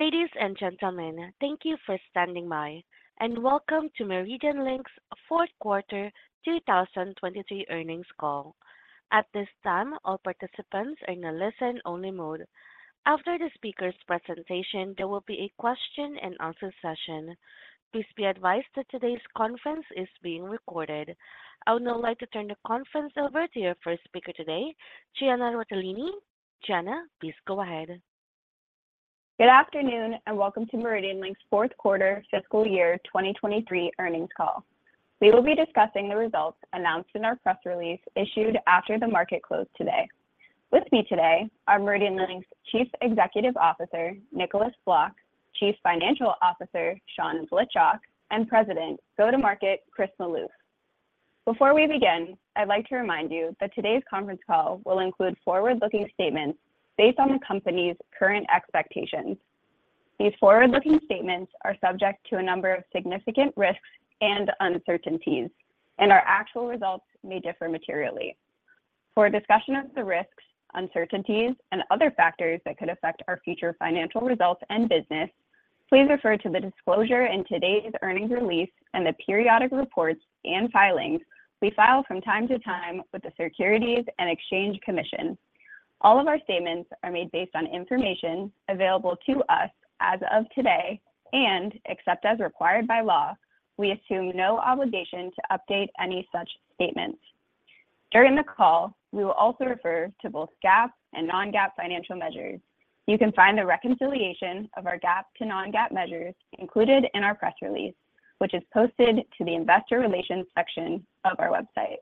Ladies and gentlemen, thank you for standing by, and welcome to MeridianLink's fourth quarter 2023 earnings call. At this time, all participants are in a listen-only mode. After the speaker's presentation, there will be a question and answer session. Please be advised that today's conference is being recorded. I would now like to turn the conference over to your first speaker today, Gianna Rotellini. Gianna, please go ahead. Good afternoon, and welcome to MeridianLink's fourth quarter fiscal year 2023 earnings call. We will be discussing the results announced in our press release issued after the market closed today. With me today are MeridianLink's Chief Executive Officer, Nicolaas Vlok, Chief Financial Officer, Sean Blitchok, and President, Go-To-Market, Chris Maloof. Before we begin, I'd like to remind you that today's conference call will include forward-looking statements based on the company's current expectations. These forward-looking statements are subject to a number of significant risks and uncertainties, and our actual results may differ materially. For a discussion of the risks, uncertainties, and other factors that could affect our future financial results and business, please refer to the disclosure in today's earnings release and the periodic reports and filings we file from time to time with the Securities and Exchange Commission. All of our statements are made based on information available to us as of today, and except as required by law, we assume no obligation to update any such statements. During the call, we will also refer to both GAAP and non-GAAP financial measures. You can find a reconciliation of our GAAP to non-GAAP measures included in our press release, which is posted to the investor relations section of our website.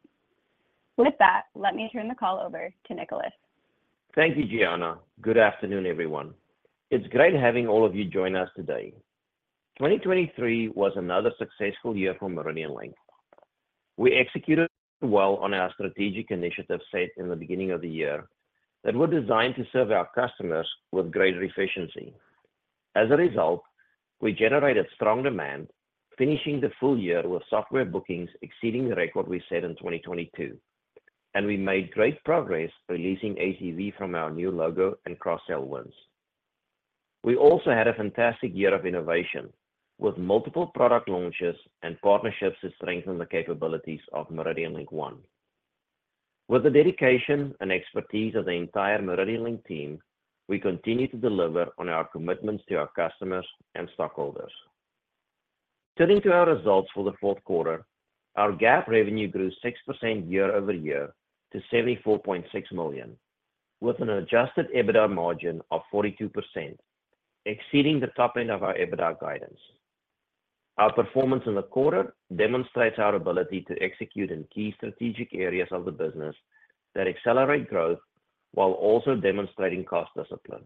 With that, let me turn the call over to Nicolaas. Thank you, Gianna. Good afternoon, everyone. It's great having all of you join us today. 2023 was another successful year for MeridianLink. We executed well on our strategic initiatives set in the beginning of the year that were designed to serve our customers with greater efficiency. As a result, we generated strong demand, finishing the full year with software bookings exceeding the record we set in 2022, and we made great progress releasing ACV from our new logo and cross-sell wins. We also had a fantastic year of innovation, with multiple product launches and partnerships to strengthen the capabilities of MeridianLink One. With the dedication and expertise of the entire MeridianLink team, we continue to deliver on our commitments to our customers and stockholders. Turning to our results for the fourth quarter, our GAAP revenue grew 6% year-over-year to $74.6 million, with an adjusted EBITDA margin of 42%, exceeding the top end of our EBITDA guidance. Our performance in the quarter demonstrates our ability to execute in key strategic areas of the business that accelerate growth while also demonstrating cost discipline.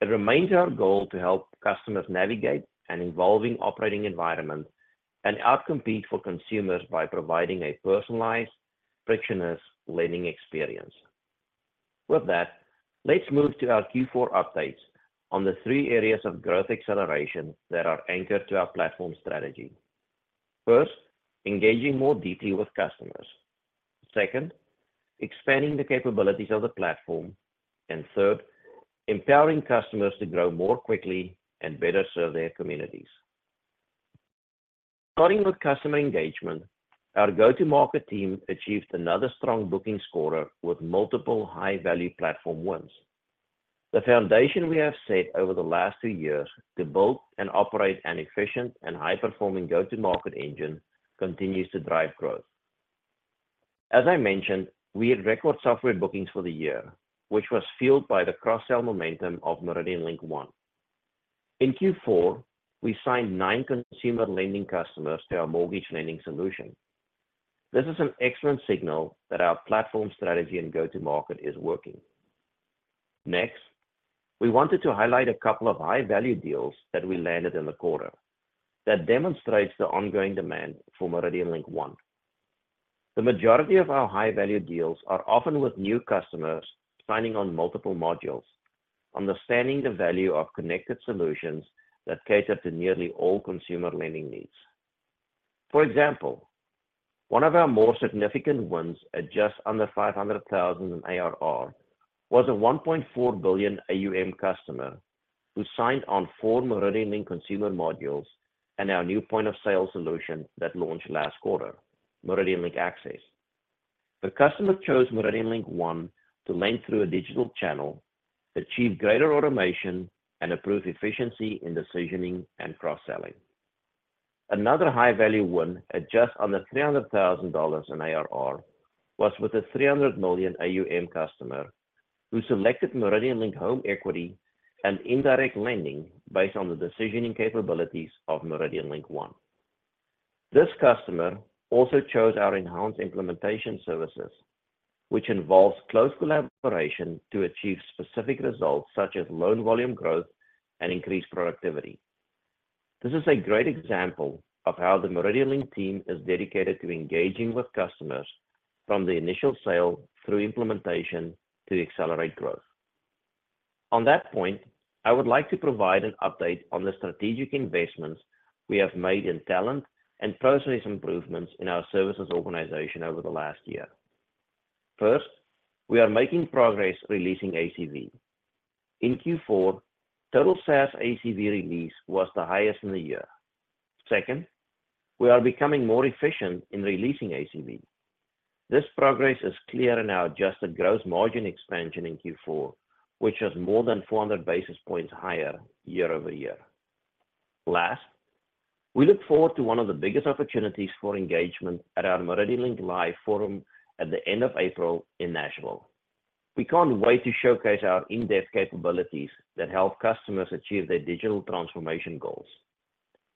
It remains our goal to help customers navigate an evolving operating environment and out-compete for consumers by providing a personalized, frictionless lending experience. With that, let's move to our Q4 updates on the three areas of growth acceleration that are anchored to our platform strategy. First, engaging more deeply with customers. Second, expanding the capabilities of the platform. And third, empowering customers to grow more quickly and better serve their communities. Starting with customer engagement, our go-to-market team achieved another strong booking scorer with multiple high-value platform wins. The foundation we have set over the last two years to build and operate an efficient and high-performing go-to-market engine continues to drive growth. As I mentioned, we had record software bookings for the year, which was fueled by the cross-sell momentum of MeridianLink One. In Q4, we signed nine consumer lending customers to our mortgage lending solution. This is an excellent signal that our platform strategy and go-to-market is working. Next, we wanted to highlight a couple of high-value deals that we landed in the quarter that demonstrates the ongoing demand for MeridianLink One. The majority of our high-value deals are often with new customers signing on multiple modules, understanding the value of connected solutions that cater to nearly all consumer lending needs. For example, one of our more significant wins at just under $500,000 in ARR was a $1.4 billion AUM customer who signed on four MeridianLink Consumer modules and our new point-of-sale solution that launched last quarter, MeridianLink Access. The customer chose MeridianLink One to lend through a digital channel, achieve greater automation, and improve efficiency in decisioning and cross-selling. Another high-value win at just under $300,000 in ARR was with a $300 million AUM customer who selected MeridianLink Home Equity and Indirect Lending based on the decisioning capabilities of MeridianLink One. This customer also chose our enhanced implementation services, which involves close collaboration to achieve specific results, such as loan volume growth and increased productivity. This is a great example of how the MeridianLink team is dedicated to engaging with customers from the initial sale through implementation to accelerate growth. On that point, I would like to provide an update on the strategic investments we have made in talent and process improvements in our services organization over the last year. First, we are making progress releasing ACV. In Q4, total SaaS ACV release was the highest in the year. Second, we are becoming more efficient in releasing ACV. This progress is clear in our adjusted gross margin expansion in Q4, which is more than 400 basis points higher year-over-year. Last, we look forward to one of the biggest opportunities for engagement at our MeridianLink LIVE forum at the end of April in Nashville. We can't wait to showcase our in-depth capabilities that help customers achieve their digital transformation goals.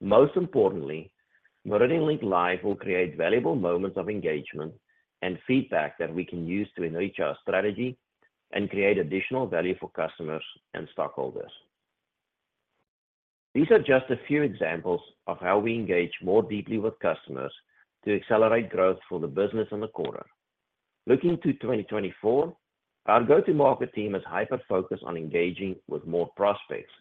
Most importantly, MeridianLink LIVE will create valuable moments of engagement and feedback that we can use to enrich our strategy and create additional value for customers and stockholders. These are just a few examples of how we engage more deeply with customers to accelerate growth for the business in the quarter. Looking to 2024, our go-to-market team is hyper-focused on engaging with more prospects,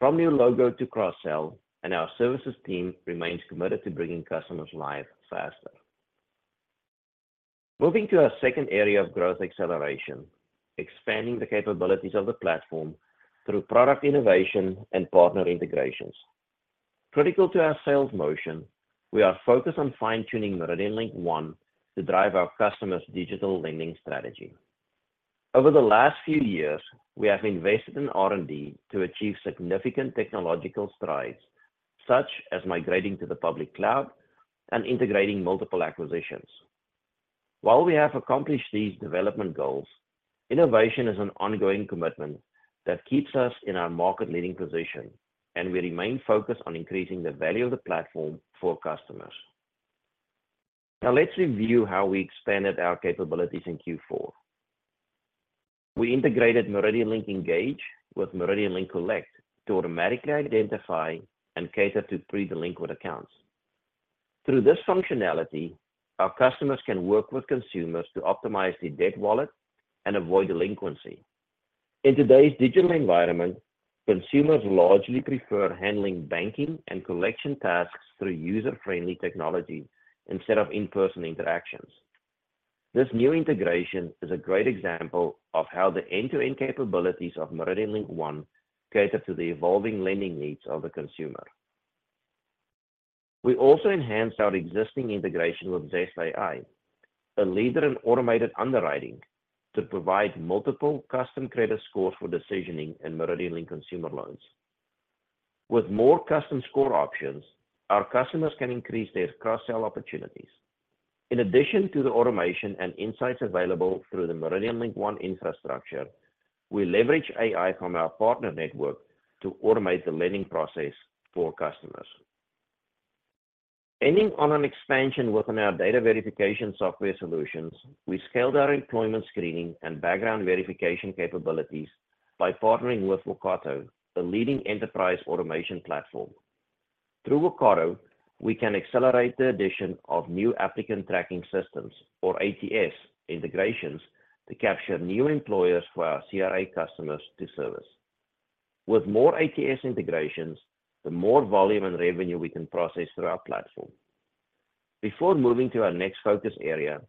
from new logo to cross-sell, and our services team remains committed to bringing customers live faster. Moving to our second area of growth acceleration, expanding the capabilities of the platform through product innovation and partner integrations. Critical to our sales motion, we are focused on fine-tuning MeridianLink One to drive our customers' digital lending strategy. Over the last few years, we have invested in R&D to achieve significant technological strides, such as migrating to the public cloud and integrating multiple acquisitions. While we have accomplished these development goals, innovation is an ongoing commitment that keeps us in our market-leading position, and we remain focused on increasing the value of the platform for customers. Now, let's review how we expanded our capabilities in Q4. We integrated MeridianLink Engage with MeridianLink Collect to automatically identify and cater to pre-delinquent accounts. Through this functionality, our customers can work with consumers to optimize their debt wallet and avoid delinquency. In today's digital environment, consumers largely prefer handling banking and collection tasks through user-friendly technology instead of in-person interactions. This new integration is a great example of how the end-to-end capabilities of MeridianLink One cater to the evolving lending needs of the consumer. We also enhanced our existing integration with Zest AI, a leader in automated underwriting, to provide multiple custom credit scores for decisioning in MeridianLink consumer loans. With more custom score options, our customers can increase their cross-sell opportunities. In addition to the automation and insights available through the MeridianLink One infrastructure, we leverage AI from our partner network to automate the lending process for customers. Ending on an expansion within our data verification software solutions, we scaled our employment screening and background verification capabilities by partnering with Workato, a leading enterprise automation platform. Through Workato, we can accelerate the addition of new applicant tracking systems or ATS integrations to capture new employers for our CRA customers to service. With more ATS integrations, the more volume and revenue we can process through our platform. Before moving to our next focus area,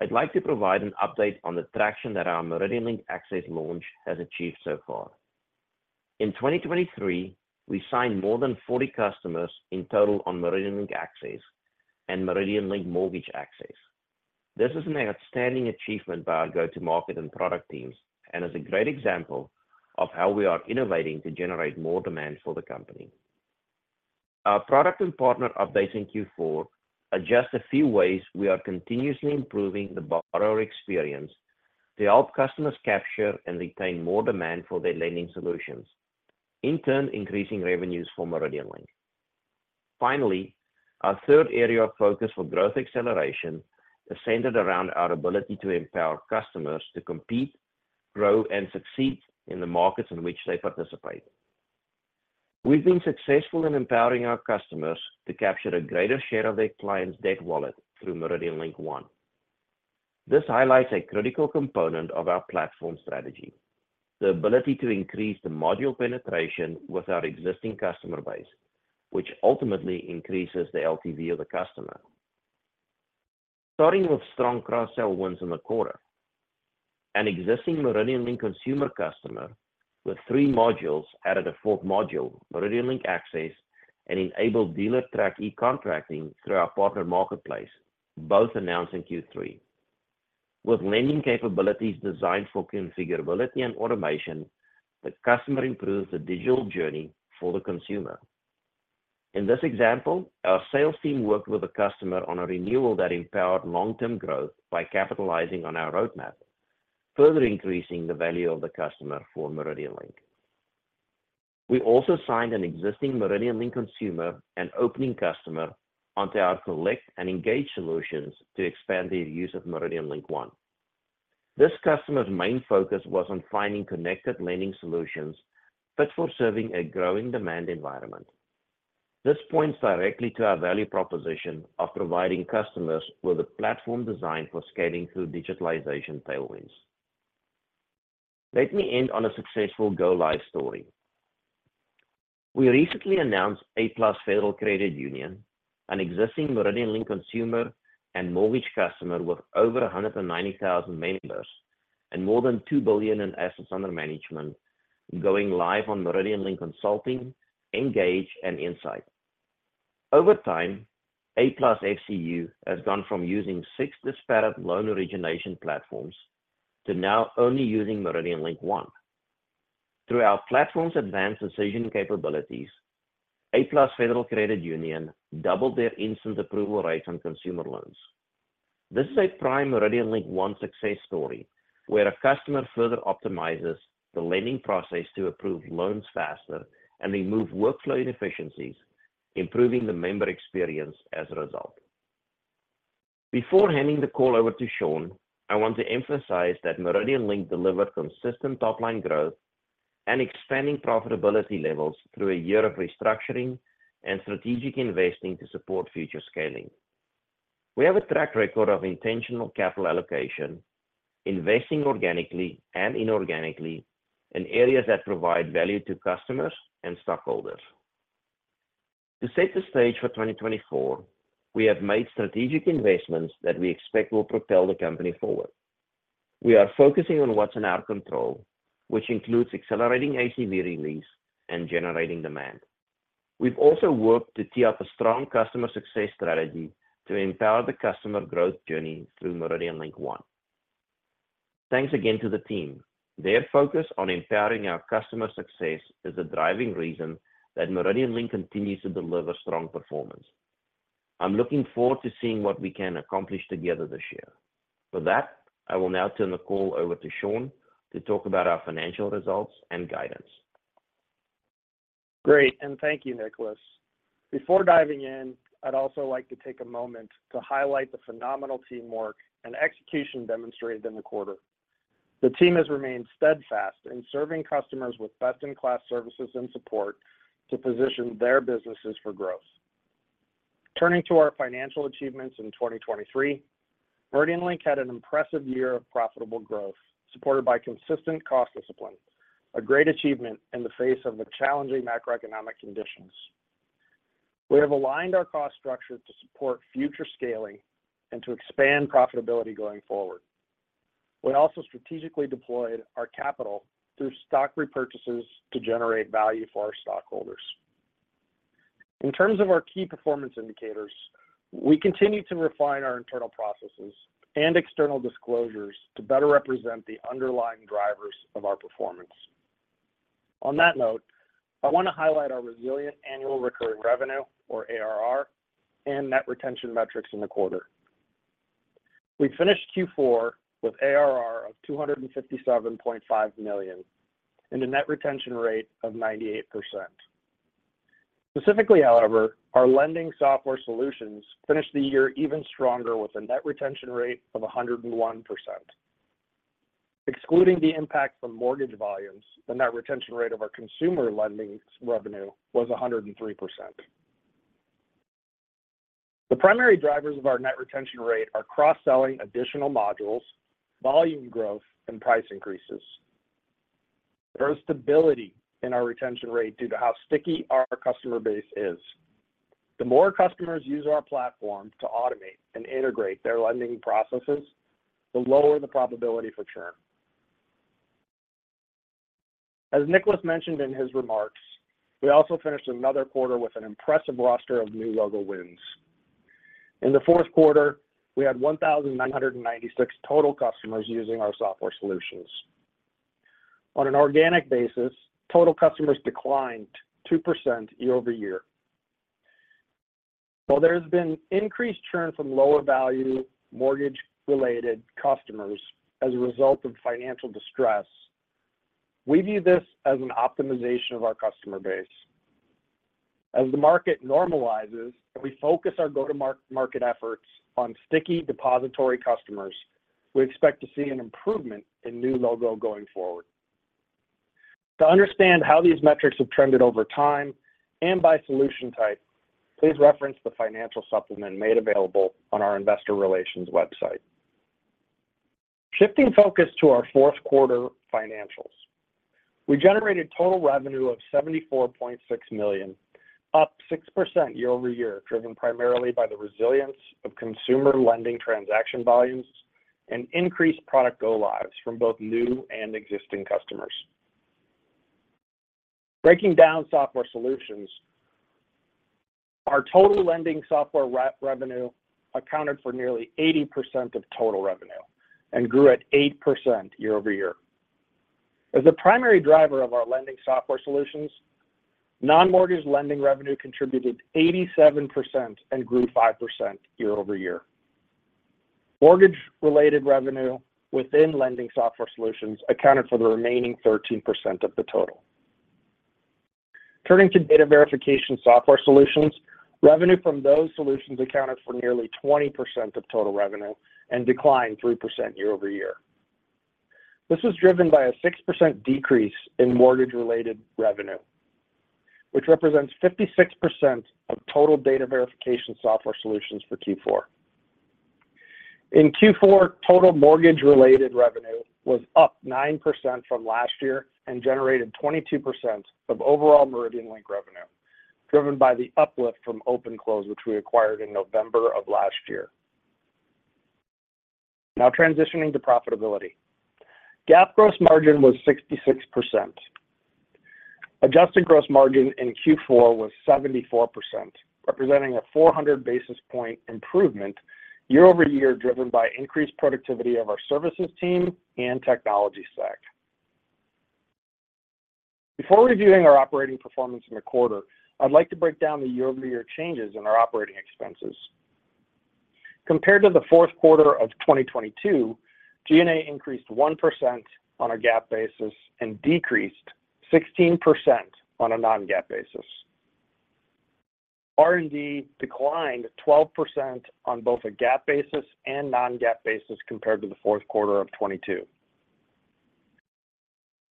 I'd like to provide an update on the traction that our MeridianLink Access launch has achieved so far. In 2023, we signed more than 40 customers in total on MeridianLink Access and MeridianLink Mortgage Access. This is an outstanding achievement by our go-to-market and product teams, and is a great example of how we are innovating to generate more demand for the company. Our product and partner updates in Q4 are just a few ways we are continuously improving the borrower experience to help customers capture and retain more demand for their lending solutions, in turn, increasing revenues for MeridianLink. Finally, our third area of focus for growth acceleration is centered around our ability to empower customers to compete, grow, and succeed in the markets in which they participate. We've been successful in empowering our customers to capture a greater share of their clients' debt wallet through MeridianLink One. This highlights a critical component of our platform strategy, the ability to increase the module penetration with our existing customer base, which ultimately increases the LTV of the customer. Starting with strong cross-sell wins in the quarter, an existing MeridianLink Consumer customer with three modules added a fourth module, MeridianLink Access, and enabled Dealertrack eContracting through our partner marketplace, both announced in Q3. With lending capabilities designed for configurability and automation, the customer improves the digital journey for the consumer. In this example, our sales team worked with a customer on a renewal that empowered long-term growth by capitalizing on our roadmap, further increasing the value of the customer for MeridianLink. We also signed an existing MeridianLink Consumer and Opening customer onto our Collect and Engage solutions to expand their use of MeridianLink One. This customer's main focus was on finding connected lending solutions fit for serving a growing demand environment. This points directly to our value proposition of providing customers with a platform designed for scaling through digitalization tailwinds... Let me end on a successful go live story. We recently announced A+ Federal Credit Union, an existing MeridianLink consumer and mortgage customer with over 190,000 members and more than $2 billion in assets under management, going live on MeridianLink Consulting, MeridianLink Engage, and MeridianLink Insight. Over time, A+ FCU has gone from using 6 disparate loan origination platforms to now only using MeridianLink One. Through our platform's advanced decision capabilities, A+ Federal Credit Union doubled their instant approval rate on consumer loans. This is a prime MeridianLink One success story, where a customer further optimizes the lending process to approve loans faster and remove workflow inefficiencies, improving the member experience as a result. Before handing the call over to Sean, I want to emphasize that MeridianLink delivered consistent top-line growth and expanding profitability levels through a year of restructuring and strategic investing to support future scaling. We have a track record of intentional capital allocation, investing organically and inorganically in areas that provide value to customers and stockholders. To set the stage for 2024, we have made strategic investments that we expect will propel the company forward. We are focusing on what's in our control, which includes accelerating ACV release and generating demand. We've also worked to tee up a strong customer success strategy to empower the customer growth journey through MeridianLink One. Thanks again to the team. Their focus on empowering our customer success is a driving reason that MeridianLink continues to deliver strong performance. I'm looking forward to seeing what we can accomplish together this year. For that, I will now turn the call over to Sean to talk about our financial results and guidance. Great, and thank you, Nicolaas. Before diving in, I'd also like to take a moment to highlight the phenomenal teamwork and execution demonstrated in the quarter. The team has remained steadfast in serving customers with best-in-class services and support to position their businesses for growth. Turning to our financial achievements in 2023, MeridianLink had an impressive year of profitable growth, supported by consistent cost discipline, a great achievement in the face of the challenging macroeconomic conditions. We have aligned our cost structure to support future scaling and to expand profitability going forward. We also strategically deployed our capital through stock repurchases to generate value for our stockholders. In terms of our key performance indicators, we continue to refine our internal processes and external disclosures to better represent the underlying drivers of our performance. On that note, I want to highlight our resilient annual recurring revenue, or ARR, and net retention metrics in the quarter. We finished Q4 with ARR of $257.5 million and a net retention rate of 98%. Specifically, however, our lending software solutions finished the year even stronger, with a net retention rate of 101%. Excluding the impact from mortgage volumes, the net retention rate of our consumer lending revenue was 103%. The primary drivers of our net retention rate are cross-selling additional modules, volume growth, and price increases. There is stability in our retention rate due to how sticky our customer base is. The more customers use our platform to automate and integrate their lending processes, the lower the probability for churn. As Nicolaas mentioned in his remarks, we also finished another quarter with an impressive roster of new logo wins. In the fourth quarter, we had 1,996 total customers using our software solutions. On an organic basis, total customers declined 2% year-over-year. While there has been increased churn from lower-value mortgage-related customers as a result of financial distress, we view this as an optimization of our customer base. As the market normalizes and we focus our go-to-market efforts on sticky depository customers, we expect to see an improvement in new logo going forward. To understand how these metrics have trended over time and by solution type, please reference the financial supplement made available on our investor relations website. Shifting focus to our fourth quarter financials, we generated total revenue of $74.6 million, up 6% year-over-year, driven primarily by the resilience of consumer lending transaction volumes and increased product go lives from both new and existing customers. Breaking down software solutions, our total lending software revenue accounted for nearly 80% of total revenue and grew at 8% year-over-year. As a primary driver of our lending software solutions, non-mortgage lending revenue contributed 87% and grew 5% year-over-year. Mortgage-related revenue within lending software solutions accounted for the remaining 13% of the total. Turning to data verification software solutions, revenue from those solutions accounted for nearly 20% of total revenue and declined 3% year-over-year. This was driven by a 6% decrease in mortgage-related revenue, which represents 56% of total data verification software solutions for Q4. In Q4, total mortgage-related revenue was up 9% from last year and generated 22% of overall MeridianLink revenue, driven by the uplift from OpenClose, which we acquired in November of last year. Now transitioning to profitability. GAAP gross margin was 66%. Adjusted gross margin in Q4 was 74%, representing a 400 basis point improvement year over year, driven by increased productivity of our services team and technology stack. Before reviewing our operating performance in the quarter, I'd like to break down the year-over-year changes in our operating expenses. Compared to the fourth quarter of 2022, G&A increased 1% on a GAAP basis and decreased 16% on a non-GAAP basis. R&D declined 12% on both a GAAP basis and non-GAAP basis compared to the fourth quarter of 2022.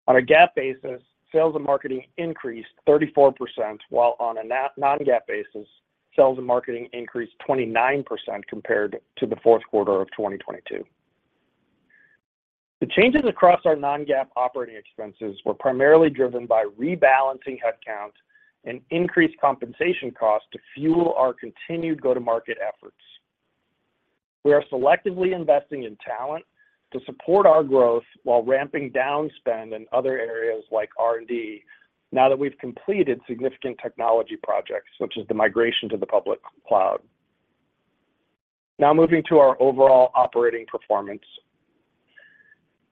On a GAAP basis, sales and marketing increased 34%, while on a non-GAAP basis, sales and marketing increased 29% compared to the fourth quarter of 2022. The changes across our non-GAAP operating expenses were primarily driven by rebalancing headcount and increased compensation costs to fuel our continued go-to-market efforts. We are selectively investing in talent to support our growth while ramping down spend in other areas like R&D now that we've completed significant technology projects, such as the migration to the public cloud. Now moving to our overall operating performance.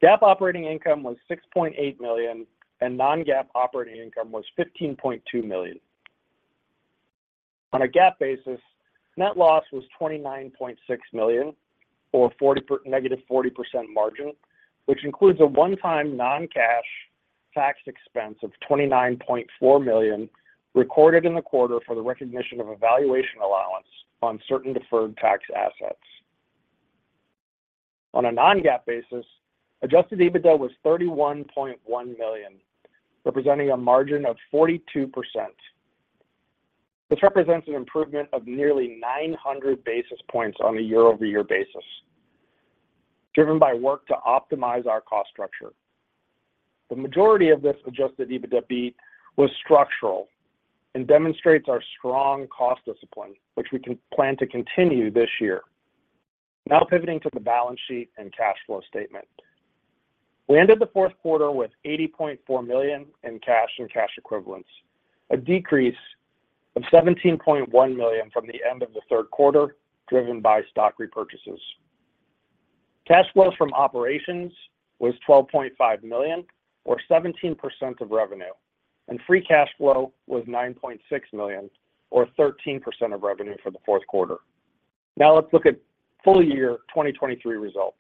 GAAP operating income was $6.8 million, and non-GAAP operating income was $15.2 million. On a GAAP basis, net loss was $29.6 million, or negative 40% margin, which includes a one-time non-cash tax expense of $29.4 million, recorded in the quarter for the recognition of a valuation allowance on certain deferred tax assets. On a non-GAAP basis, adjusted EBITDA was $31.1 million, representing a margin of 42%. This represents an improvement of nearly 900 basis points on a year-over-year basis, driven by work to optimize our cost structure. The majority of this adjusted EBITDA was structural and demonstrates our strong cost discipline, which we can plan to continue this year. Now pivoting to the balance sheet and cash flow statement. We ended the fourth quarter with $80.4 million in cash and cash equivalents, a decrease of $17.1 million from the end of the third quarter, driven by stock repurchases. Cash flows from operations was $12.5 million, or 17% of revenue, and free cash flow was $9.6 million, or 13% of revenue for the fourth quarter. Now let's look at full year 2023 results.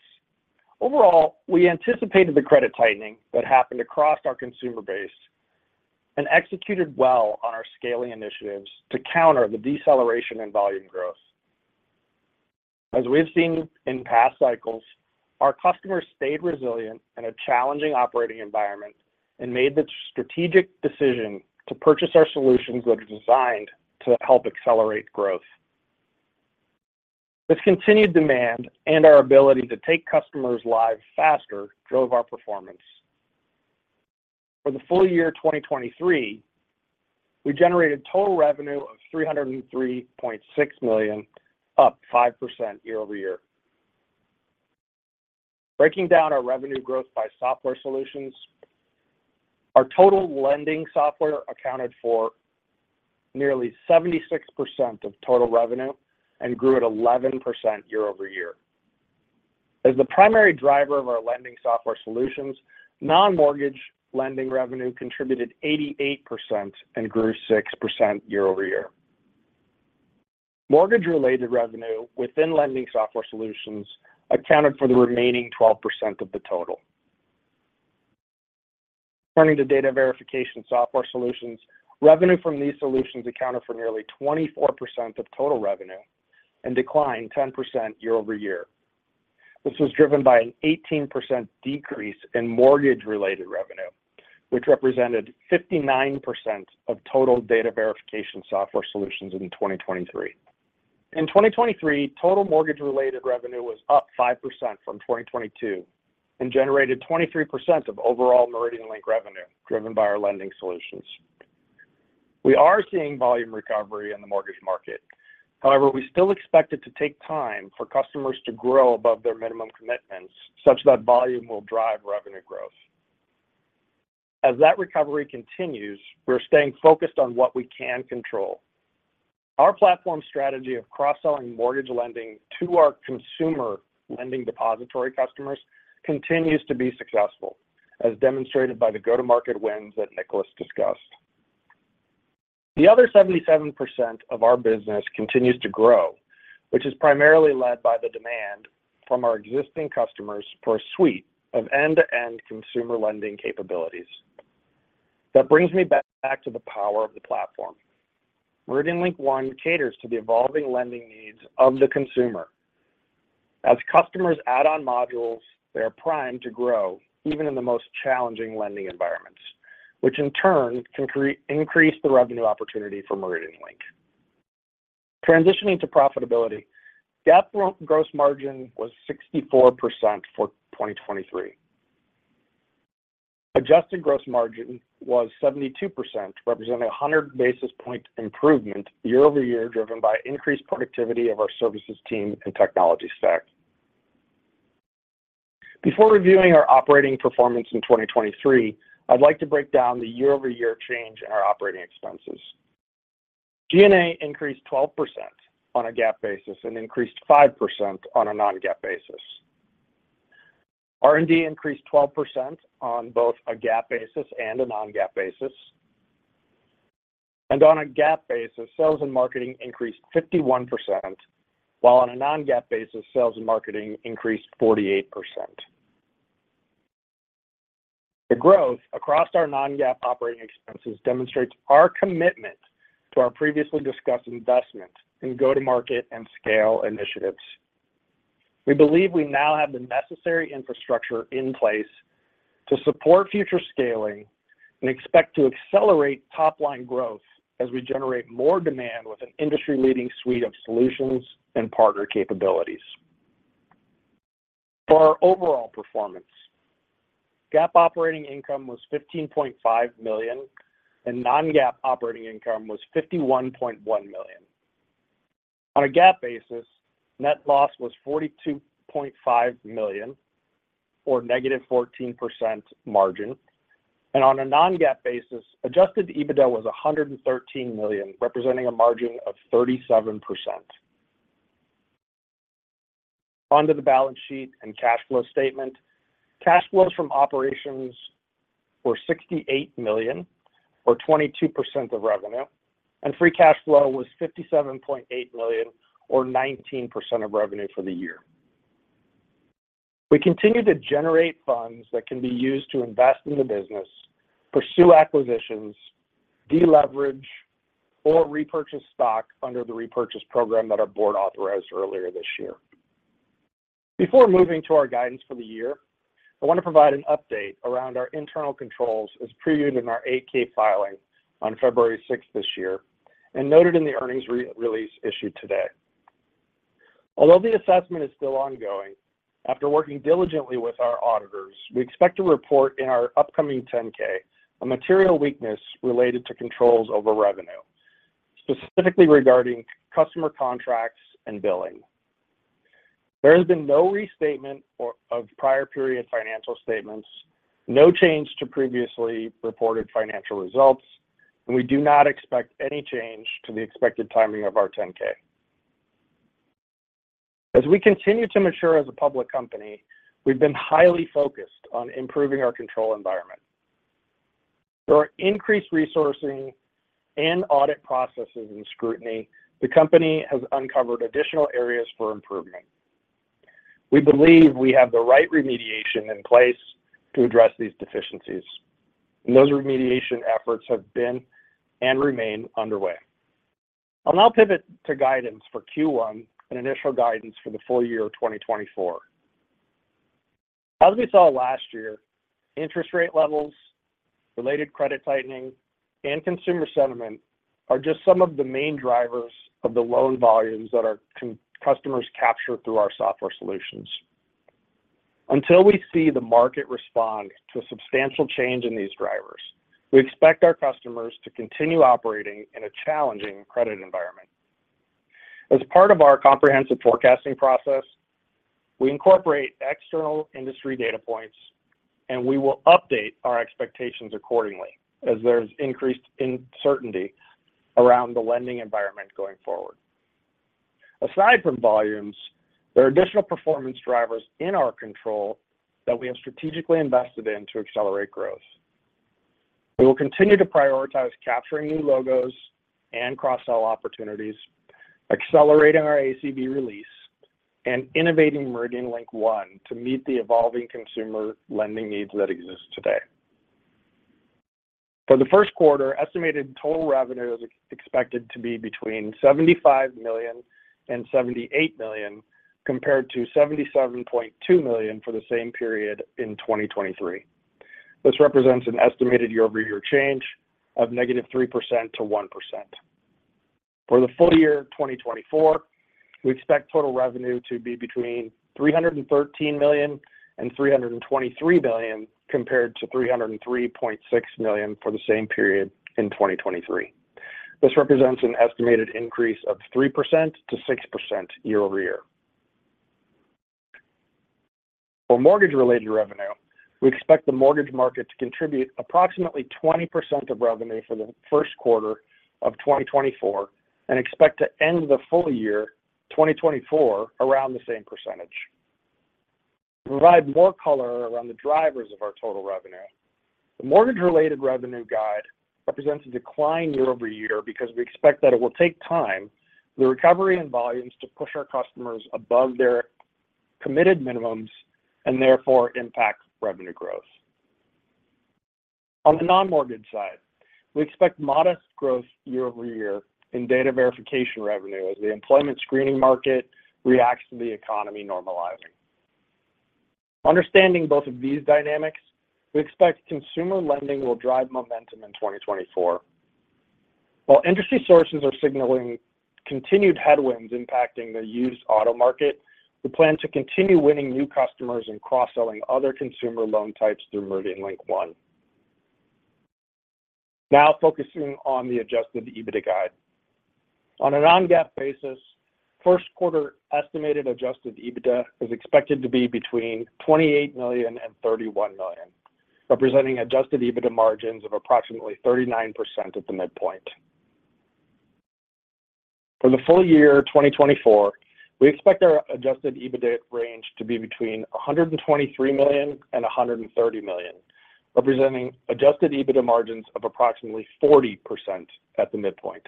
Overall, we anticipated the credit tightening that happened across our consumer base and executed well on our scaling initiatives to counter the deceleration in volume growth. As we've seen in past cycles, our customers stayed resilient in a challenging operating environment and made the strategic decision to purchase our solutions that are designed to help accelerate growth. This continued demand and our ability to take customers live faster drove our performance. For the full year 2023, we generated total revenue of $303.6 million, up 5% year-over-year. Breaking down our revenue growth by software solutions, our total lending software accounted for nearly 76% of total revenue and grew at 11% year over year. As the primary driver of our lending software solutions, non-mortgage lending revenue contributed 88% and grew 6% year over year. Mortgage-related revenue within lending software solutions accounted for the remaining 12% of the total. Turning to data verification software solutions, revenue from these solutions accounted for nearly 24% of total revenue and declined 10% year over year. This was driven by an 18% decrease in mortgage-related revenue, which represented 59% of total data verification software solutions in 2023. In 2023, total mortgage-related revenue was up 5% from 2022 and generated 23% of overall MeridianLink revenue, driven by our lending solutions. We are seeing volume recovery in the mortgage market. However, we still expect it to take time for customers to grow above their minimum commitments, such that volume will drive revenue growth. As that recovery continues, we're staying focused on what we can control. Our platform strategy of cross-selling mortgage lending to our consumer lending depository customers continues to be successful, as demonstrated by the go-to-market wins that Nicolaas discussed. The other 77% of our business continues to grow, which is primarily led by the demand from our existing customers for a suite of end-to-end consumer lending capabilities. That brings me back to the power of the platform. MeridianLink One caters to the evolving lending needs of the consumer. As customers add on modules, they are primed to grow, even in the most challenging lending environments, which in turn can increase the revenue opportunity for MeridianLink. Transitioning to profitability. GAAP gross margin was 64% for 2023. Adjusted gross margin was 72%, representing a 100 basis point improvement year-over-year, driven by increased productivity of our services team and technology stack. Before reviewing our operating performance in 2023, I'd like to break down the year-over-year change in our operating expenses. G&A increased 12% on a GAAP basis and increased 5% on a non-GAAP basis. R&D increased 12% on both a GAAP basis and a non-GAAP basis. And on a GAAP basis, sales and marketing increased 51%, while on a non-GAAP basis, sales and marketing increased 48%. The growth across our non-GAAP operating expenses demonstrates our commitment to our previously discussed investment in go-to-market and scale initiatives. We believe we now have the necessary infrastructure in place to support future scaling and expect to accelerate top-line growth as we generate more demand with an industry-leading suite of solutions and partner capabilities. For our overall performance, GAAP operating income was $15.5 million, and non-GAAP operating income was $51.1 million. On a GAAP basis, net loss was $42.5 million, or -14% margin, and on a non-GAAP basis, adjusted EBITDA was $113 million, representing a margin of 37%. On to the balance sheet and cash flow statement. Cash flows from operations were $68 million, or 22% of revenue, and free cash flow was $57.8 million, or 19% of revenue for the year. We continue to generate funds that can be used to invest in the business, pursue acquisitions, deleverage, or repurchase stock under the repurchase program that our board authorized earlier this year. Before moving to our guidance for the year, I want to provide an update around our internal controls, as previewed in our 8-K filing on February sixth this year, and noted in the earnings re-release issued today. Although the assessment is still ongoing, after working diligently with our auditors, we expect to report in our upcoming 10-K a material weakness related to controls over revenue, specifically regarding customer contracts and billing. There has been no restatement of prior period financial statements, no change to previously reported financial results, and we do not expect any change to the expected timing of our 10-K. As we continue to mature as a public company, we've been highly focused on improving our control environment. Through our increased resourcing and audit processes and scrutiny, the company has uncovered additional areas for improvement. We believe we have the right remediation in place to address these deficiencies, and those remediation efforts have been and remain underway. I'll now pivot to guidance for Q1 and initial guidance for the full year of 2024. As we saw last year, interest rate levels, related credit tightening, and consumer sentiment are just some of the main drivers of the loan volumes that our customers capture through our software solutions. Until we see the market respond to a substantial change in these drivers, we expect our customers to continue operating in a challenging credit environment. As part of our comprehensive forecasting process, we incorporate external industry data points, and we will update our expectations accordingly as there's increased uncertainty around the lending environment going forward. Aside from volumes, there are additional performance drivers in our control that we have strategically invested in to accelerate growth. We will continue to prioritize capturing new logos and cross-sell opportunities, accelerating our ACV release, and innovating MeridianLink One to meet the evolving consumer lending needs that exist today. For the first quarter, estimated total revenue is expected to be between $75 million and $78 million, compared to $77.2 million for the same period in 2023. This represents an estimated year-over-year change of -3% to 1%. For the full year 2024, we expect total revenue to be between $313 million and $323 million, compared to $303.6 million for the same period in 2023. This represents an estimated increase of 3%-6% year-over-year. For mortgage-related revenue, we expect the mortgage market to contribute approximately 20% of revenue for the first quarter of 2024 and expect to end the full year 2024 around the same percentage. To provide more color around the drivers of our total revenue, the mortgage-related revenue guide represents a decline year-over-year because we expect that it will take time for the recovery in volumes to push our customers above their committed minimums and therefore impact revenue growth. On the non-mortgage side, we expect modest growth year-over-year in data verification revenue as the employment screening market reacts to the economy normalizing. Understanding both of these dynamics, we expect consumer lending will drive momentum in 2024. While industry sources are signaling continued headwinds impacting the used auto market, we plan to continue winning new customers and cross-selling other consumer loan types through MeridianLink One. Now focusing on the adjusted EBITDA guide. On a non-GAAP basis, first quarter estimated adjusted EBITDA is expected to be between $28 million and $31 million, representing adjusted EBITDA margins of approximately 39% at the midpoint. For the full year 2024, we expect our adjusted EBITDA range to be between $123 million and $130 million, representing adjusted EBITDA margins of approximately 40% at the midpoint.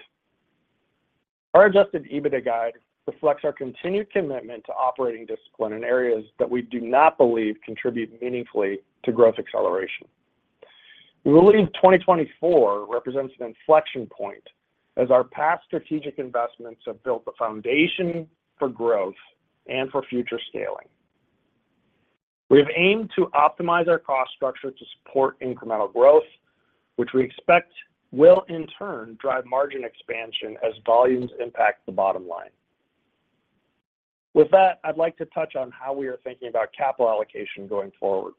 Our adjusted EBITDA guide reflects our continued commitment to operating discipline in areas that we do not believe contribute meaningfully to growth acceleration. We believe 2024 represents an inflection point as our past strategic investments have built the foundation for growth and for future scaling. We have aimed to optimize our cost structure to support incremental growth, which we expect will in turn drive margin expansion as volumes impact the bottom line. With that, I'd like to touch on how we are thinking about capital allocation going forward.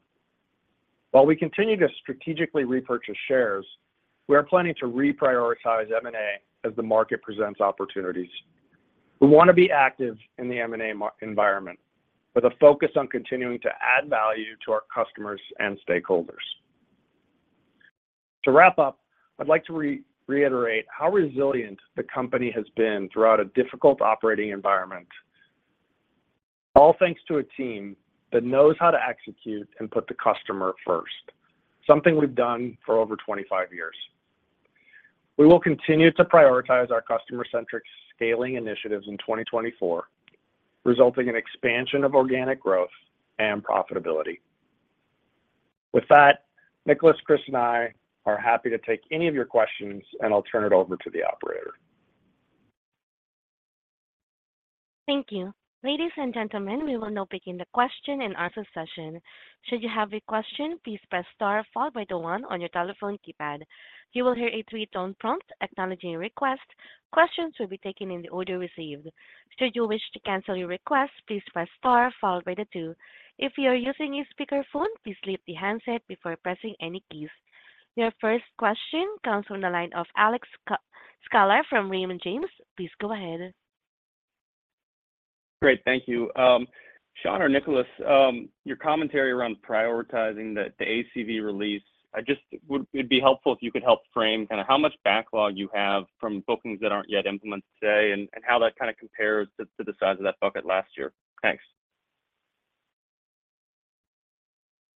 While we continue to strategically repurchase shares, we are planning to reprioritize M&A as the market presents opportunities. We want to be active in the M&A market environment, with a focus on continuing to add value to our customers and stakeholders. To wrap up, I'd like to reiterate how resilient the company has been throughout a difficult operating environment. All thanks to a team that knows how to execute and put the customer first, something we've done for over 25 years. We will continue to prioritize our customer-centric scaling initiatives in 2024, resulting in expansion of organic growth and profitability. With that, Nicolaas, Chris, and I are happy to take any of your questions, and I'll turn it over to the operator. Thank you. Ladies and gentlemen, we will now begin the question and answer session. Should you have a question, please press star followed by the one on your telephone keypad. You will hear a three-tone prompt acknowledging your request. Questions will be taken in the order received. Should you wish to cancel your request, please press star followed by the two. If you are using a speakerphone, please leave the handset before pressing any keys. Your first question comes from the line of Alex Sklar from Raymond James. Please go ahead. Great. Thank you. Sean or Nicolaas, your commentary around prioritizing the ACV release, it'd be helpful if you could help frame kind of how much backlog you have from bookings that aren't yet implemented today, and how that kind of compares to the size of that bucket last year. Thanks.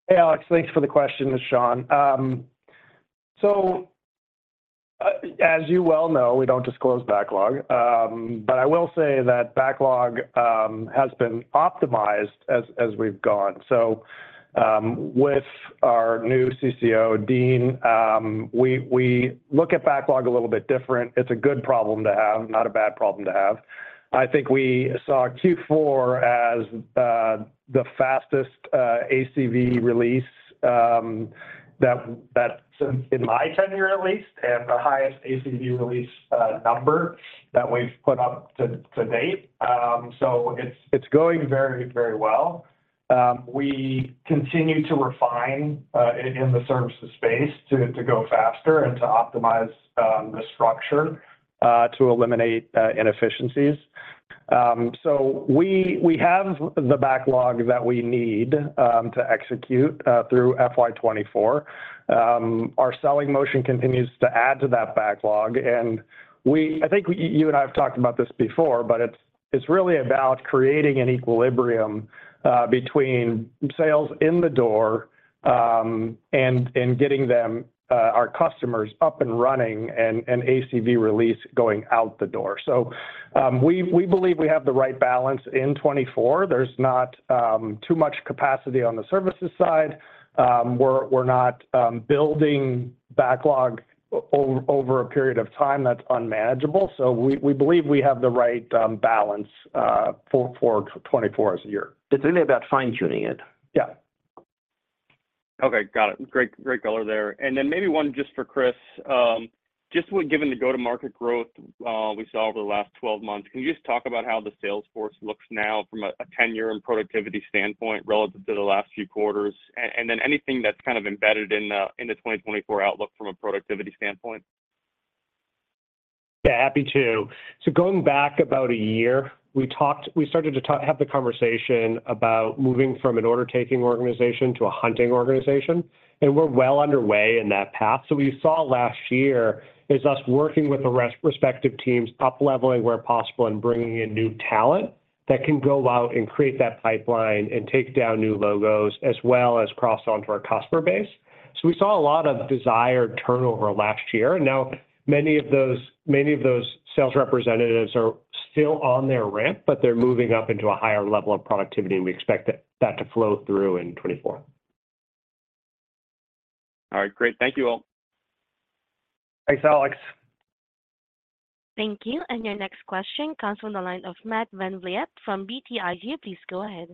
Hey, Alex. Thanks for the question. This is Sean. So, as you well know, we don't disclose backlog. But I will say that backlog has been optimized as we've gone. So, with our new CCO, Dean, we look at backlog a little bit different. It's a good problem to have, not a bad problem to have. I think we saw Q4 as the fastest ACV release that in my tenure at least, and the highest ACV release number that we've put up to date. So it's going very, very well. We continue to refine in the services space to go faster and to optimize the structure to eliminate inefficiencies. So we have the backlog that we need to execute through FY 2024. Our selling motion continues to add to that backlog, and we—I think you and I have talked about this before, but it's really about creating an equilibrium between sales in the door and getting them our customers up and running and ACV release going out the door. So, we believe we have the right balance in 2024. There's not too much capacity on the services side. We're not building backlog over a period of time that's unmanageable. So we believe we have the right balance for 2024 as a year. It's really about fine-tuning it. Yeah. Okay, got it. Great, great color there. And then maybe one just for Chris. Just with given the go-to-market growth we saw over the last 12 months, can you just talk about how the sales force looks now from a tenure and productivity standpoint relative to the last few quarters? And then anything that's kind of embedded in the 2024 outlook from a productivity standpoint. Yeah, happy to. So going back about a year, we talked, we started to have the conversation about moving from an order-taking organization to a hunting organization, and we're well underway in that path. So what you saw last year is us working with the respective teams, up-leveling where possible, and bringing in new talent that can go out and create that pipeline and take down new logos, as well as cross onto our customer base. So we saw a lot of desired turnover last year. Now, many of those, many of those sales representatives are still on their ramp, but they're moving up into a higher level of productivity, and we expect that to flow through in 2024.... Great. Thank you all. Thanks, Alex. Thank you. And your next question comes from the line of Matt VanVliet from BTIG. Please go ahead.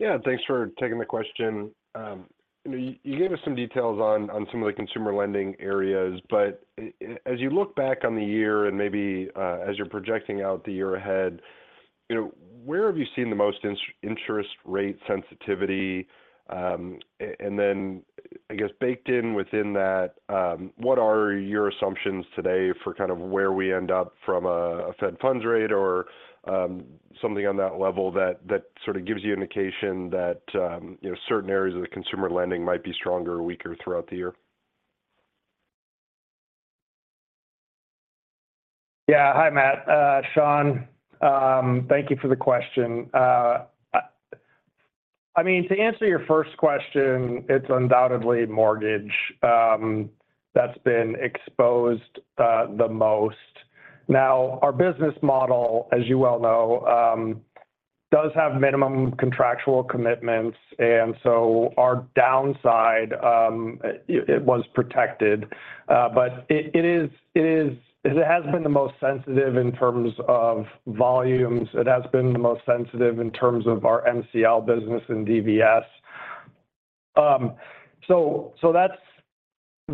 Yeah, thanks for taking the question. You know, you gave us some details on some of the consumer lending areas, but as you look back on the year and maybe as you're projecting out the year ahead, you know, where have you seen the most interest rate sensitivity? And then I guess baked in within that, what are your assumptions today for kind of where we end up from a Fed funds rate or something on that level that sort of gives you indication that, you know, certain areas of the consumer lending might be stronger or weaker throughout the year? Yeah. Hi, Matt. Sean, thank you for the question. I mean, to answer your first question, it's undoubtedly mortgage that's been exposed the most. Now, our business model, as you well know, does have minimum contractual commitments, and so our downside it was protected. But it has been the most sensitive in terms of volumes. It has been the most sensitive in terms of our MCL business and DVS. So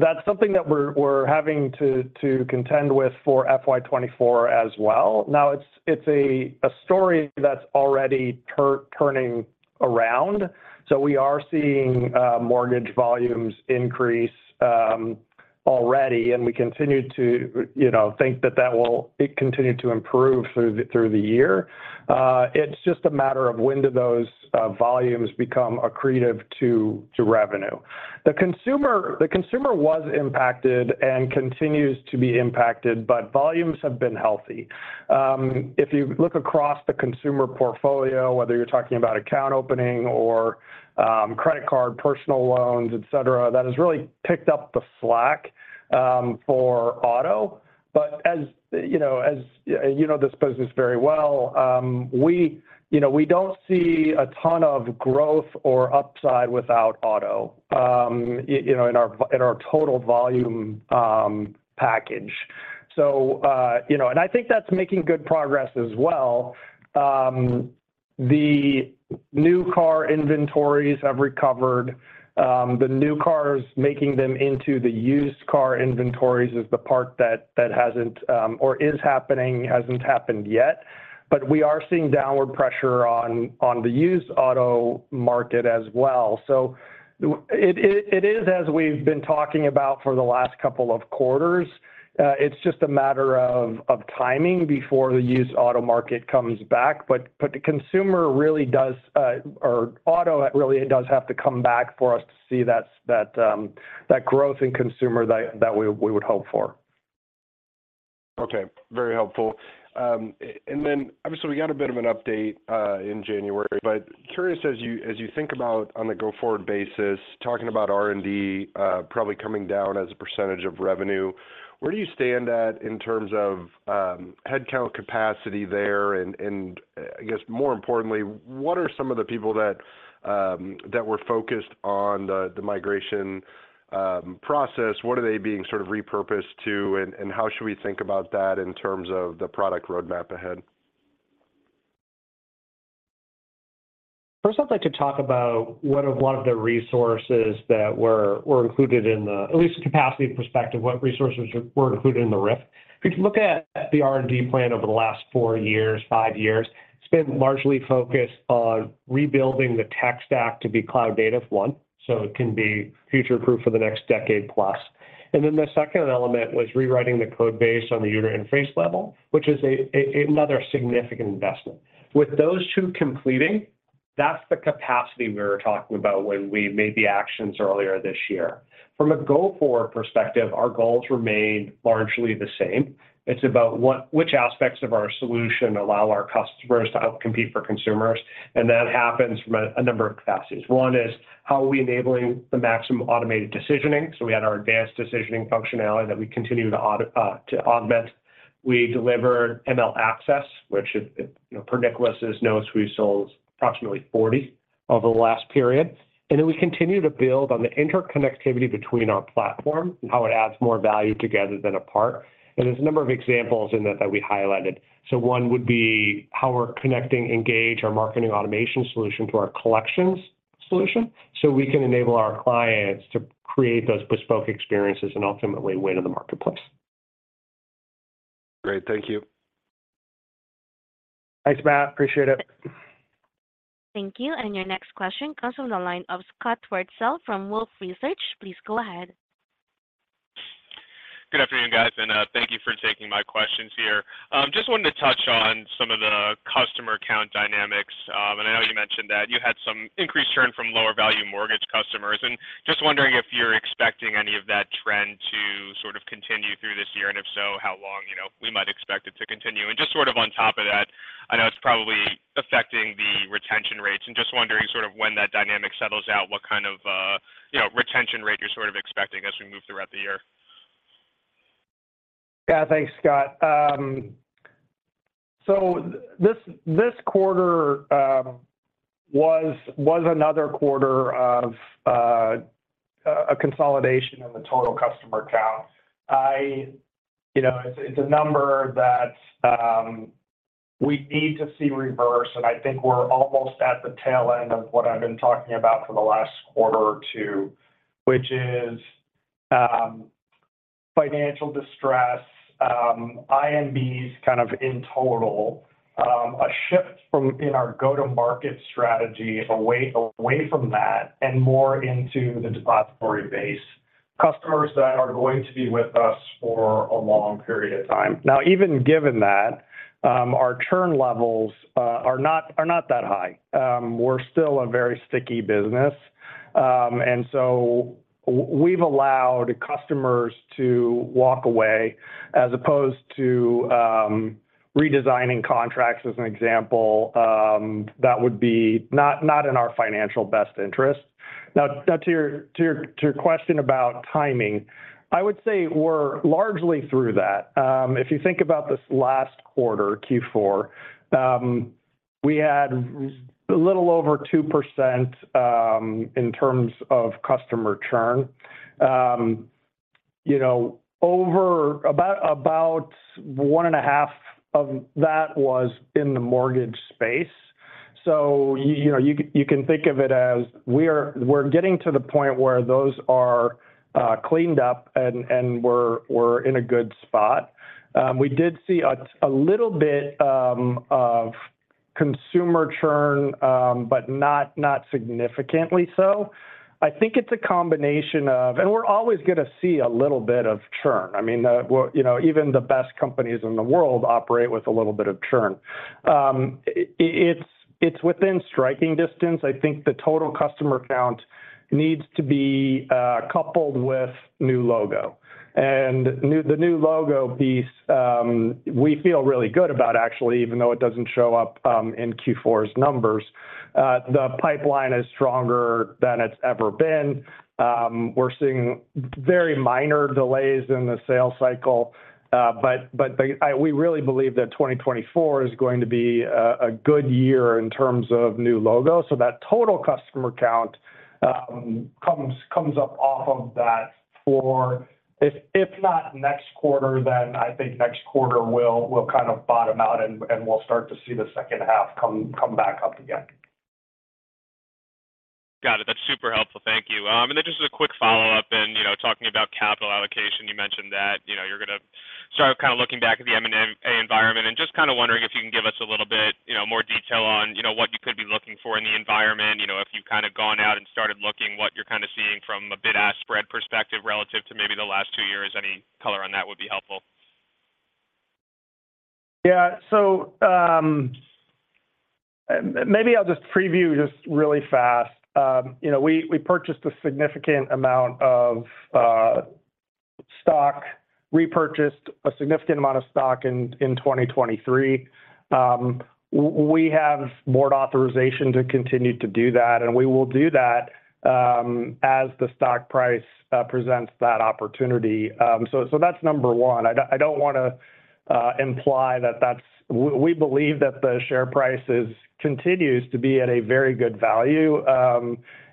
that's something that we're having to contend with for FY 2024 as well. Now, it's a story that's already turning around, so we are seeing mortgage volumes increase already, and we continue to, you know, think that that will continue to improve through the year. It's just a matter of when do those volumes become accretive to revenue. The consumer was impacted and continues to be impacted, but volumes have been healthy. If you look across the consumer portfolio, whether you're talking about account opening or credit card, personal loans, et cetera, that has really picked up the slack for auto. But as you know, as you know this business very well, we, you know, we don't see a ton of growth or upside without auto, you know, in our total volume package. So, you know, and I think that's making good progress as well. The new car inventories have recovered. The new cars making them into the used car inventories is the part that hasn't or is happening, hasn't happened yet. But we are seeing downward pressure on the used auto market as well. So it is, as we've been talking about for the last couple of quarters, it's just a matter of timing before the used auto market comes back. But the consumer really does, or auto really does have to come back for us to see that growth in consumer that we would hope for. Okay. Very helpful. And then, obviously, we got a bit of an update in January, but curious, as you think about on the go-forward basis, talking about R&D probably coming down as a percentage of revenue, where do you stand at in terms of headcount capacity there? And I guess more importantly, what are some of the people that were focused on the migration process, what are they being sort of repurposed to, and how should we think about that in terms of the product roadmap ahead? First, I'd like to talk about what are one of the resources that were included in the at least capacity perspective, what resources were included in the RIF. If you look at the R&D plan over the last four years, five years, it's been largely focused on rebuilding the tech stack to be cloud native one, so it can be future-proof for the next decade plus. And then the second element was rewriting the code base on the user interface level, which is another significant investment. With those two completing, that's the capacity we were talking about when we made the actions earlier this year. From a go-forward perspective, our goals remain largely the same. It's about which aspects of our solution allow our customers to outcompete for consumers, and that happens from a number of capacities. One is, how are we enabling the maximum automated decisioning? So we had our advanced decisioning functionality that we continue to augment. We delivered ML Access, which is, you know, per Nicholas' notes, we sold approximately 40 over the last period. And then we continue to build on the interconnectivity between our platform and how it adds more value together than apart. And there's a number of examples in that, that we highlighted. So one would be how we're connecting Engage, our marketing automation solution, to our collections solution, so we can enable our clients to create those bespoke experiences and ultimately win in the marketplace. Great. Thank you. Thanks, Matt. Appreciate it. Thank you, and your next question comes from the line of Scott Wurtzel from Wolfe Research. Please go ahead. Good afternoon, guys, and thank you for taking my questions here. Just wanted to touch on some of the customer account dynamics. And I know you mentioned that you had some increased churn from lower-value mortgage customers, and just wondering if you're expecting any of that trend to sort of continue through this year, and if so, how long, you know, we might expect it to continue? And just sort of on top of that, I know it's probably affecting the retention rates and just wondering sort of when that dynamic settles out, what kind of, you know, retention rate you're sort of expecting as we move throughout the year? ... Yeah, thanks, Scott. So this quarter was another quarter of a consolidation in the total customer count. I you know it's a number that we need to see reverse, and I think we're almost at the tail end of what I've been talking about for the last quarter or two, which is financial distress INBs kind of in total a shift from in our go-to-market strategy away from that and more into the depository base. Customers that are going to be with us for a long period of time. Now, even given that our churn levels are not that high. We're still a very sticky business. And so we've allowed customers to walk away as opposed to redesigning contracts as an example, that would be not in our financial best interest. Now to your question about timing, I would say we're largely through that. If you think about this last quarter, Q4, we had a little over 2% in terms of customer churn. You know, over about 1.5% of that was in the mortgage space. So, you know, you can think of it as we're getting to the point where those are cleaned up and we're in a good spot. We did see a little bit of consumer churn, but not significantly so. I think it's a combination of. We're always going to see a little bit of churn. I mean, you know, even the best companies in the world operate with a little bit of churn. It's within striking distance. I think the total customer count needs to be coupled with new logo. The new logo piece, we feel really good about actually, even though it doesn't show up in Q4's numbers. The pipeline is stronger than it's ever been. We're seeing very minor delays in the sales cycle, but we really believe that 2024 is going to be a good year in terms of new logos. So that total customer count comes up off of that. If not next quarter, then I think next quarter will kind of bottom out, and we'll start to see the second half come back up again. Got it. That's super helpful. Thank you. And then just as a quick follow-up and, you know, talking about capital allocation, you mentioned that, you know, you're gonna start kind of looking back at the M&A environment. And just kind of wondering if you can give us a little bit, you know, more detail on, you know, what you could be looking for in the environment. You know, if you've kind of gone out and started looking what you're kind of seeing from a bid-ask spread perspective relative to maybe the last two years. Any color on that would be helpful. Yeah. So, maybe I'll just preview just really fast. You know, we purchased a significant amount of stock—repurchased a significant amount of stock in 2023. We have board authorization to continue to do that, and we will do that, as the stock price presents that opportunity. So, that's number one. I don't want to imply that that's... We believe that the share prices continues to be at a very good value,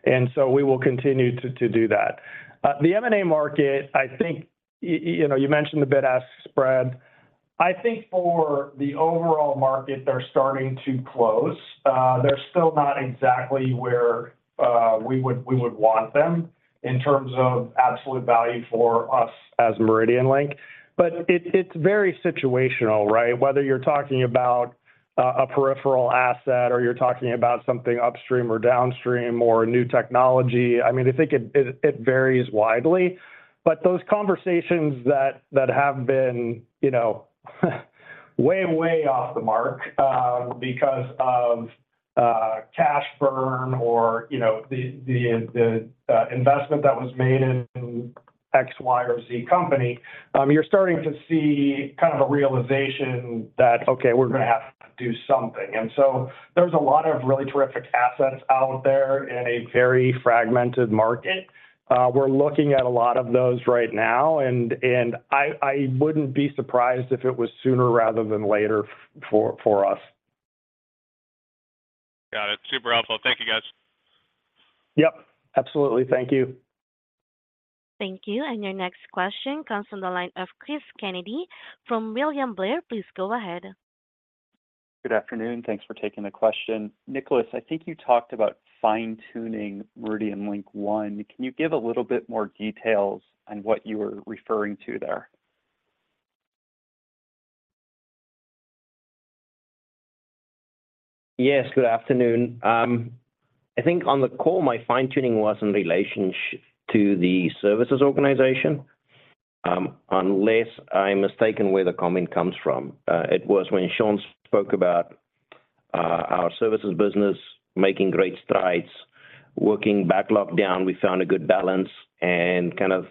and so we will continue to do that. The M&A market, I think, you know, you mentioned the bid-ask spread. I think for the overall market, they're starting to close. They're still not exactly where we would want them in terms of absolute value for us as MeridianLink. But it's very situational, right? Whether you're talking about a peripheral asset, or you're talking about something upstream or downstream or a new technology. I mean, I think it varies widely. But those conversations that have been, you know, way, way off the mark, because of cash burn or, you know, the investment that was made in X, Y, or Z company, you're starting to see kind of a realization that, "Okay, we're going to have to do something." And so there's a lot of really terrific assets out there in a very fragmented market. We're looking at a lot of those right now, and I wouldn't be surprised if it was sooner rather than later for us. Got it. Super helpful. Thank you, guys. Yep, absolutely. Thank you. Thank you. Your next question comes from the line of Chris Kennedy from William Blair. Please go ahead. Good afternoon. Thanks for taking the question. Nicolaas, I think you talked about fine-tuning MeridianLink One. Can you give a little bit more details on what you were referring to there? Yes, good afternoon. I think on the call, my fine-tuning was in relationship to the services organization, unless I'm mistaken where the comment comes from. It was when Sean spoke about our services business making great strides, working backlog down, we found a good balance and kind of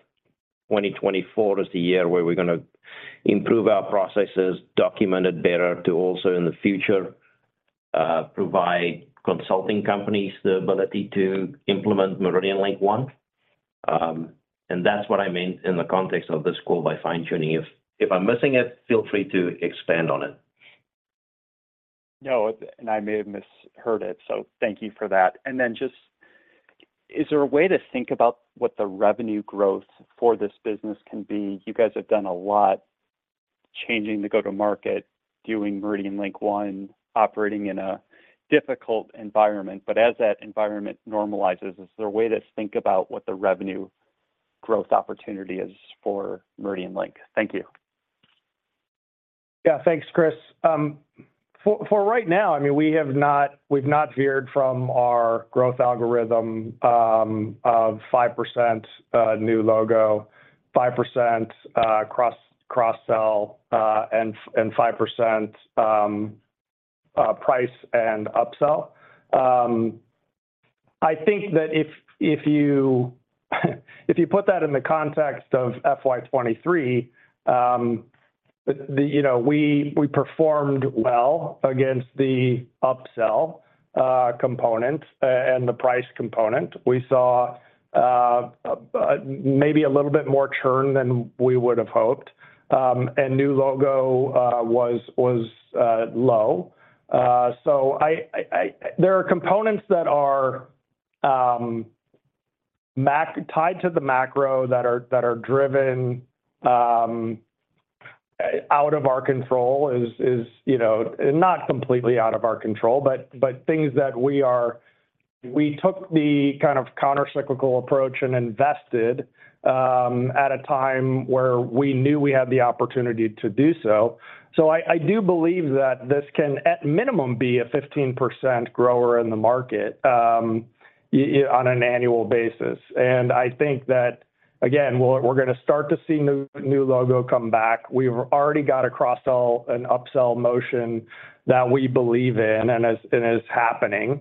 2024 is the year where we're gonna improve our processes, document it better to also in the future provide consulting companies the ability to implement MeridianLink One. And that's what I mean in the context of this call by fine-tuning. If, if I'm missing it, feel free to expand on it. No, and I may have misheard it, so thank you for that. And then just, is there a way to think about what the revenue growth for this business can be? You guys have done a lot, changing the go-to-market, doing MeridianLink One, operating in a difficult environment. But as that environment normalizes, is there a way to think about what the revenue growth opportunity is for MeridianLink? Thank you. Yeah, thanks, Chris. For right now, I mean, we have not—we've not veered from our growth algorithm of 5% new logo, 5% cross-sell, and 5% price and upsell. I think that if you put that in the context of FY 2023, you know, we performed well against the upsell component and the price component. We saw maybe a little bit more churn than we would have hoped, and new logo was low. So I... There are components that are tied to the macro that are driven out of our control, you know, not completely out of our control, but things that we took the kind of countercyclical approach and invested at a time where we knew we had the opportunity to do so. So I do believe that this can, at minimum, be a 15% grower in the market on an annual basis. And I think that, again, we're gonna start to see new logo come back. We've already got a cross-sell and upsell motion that we believe in, and it's happening.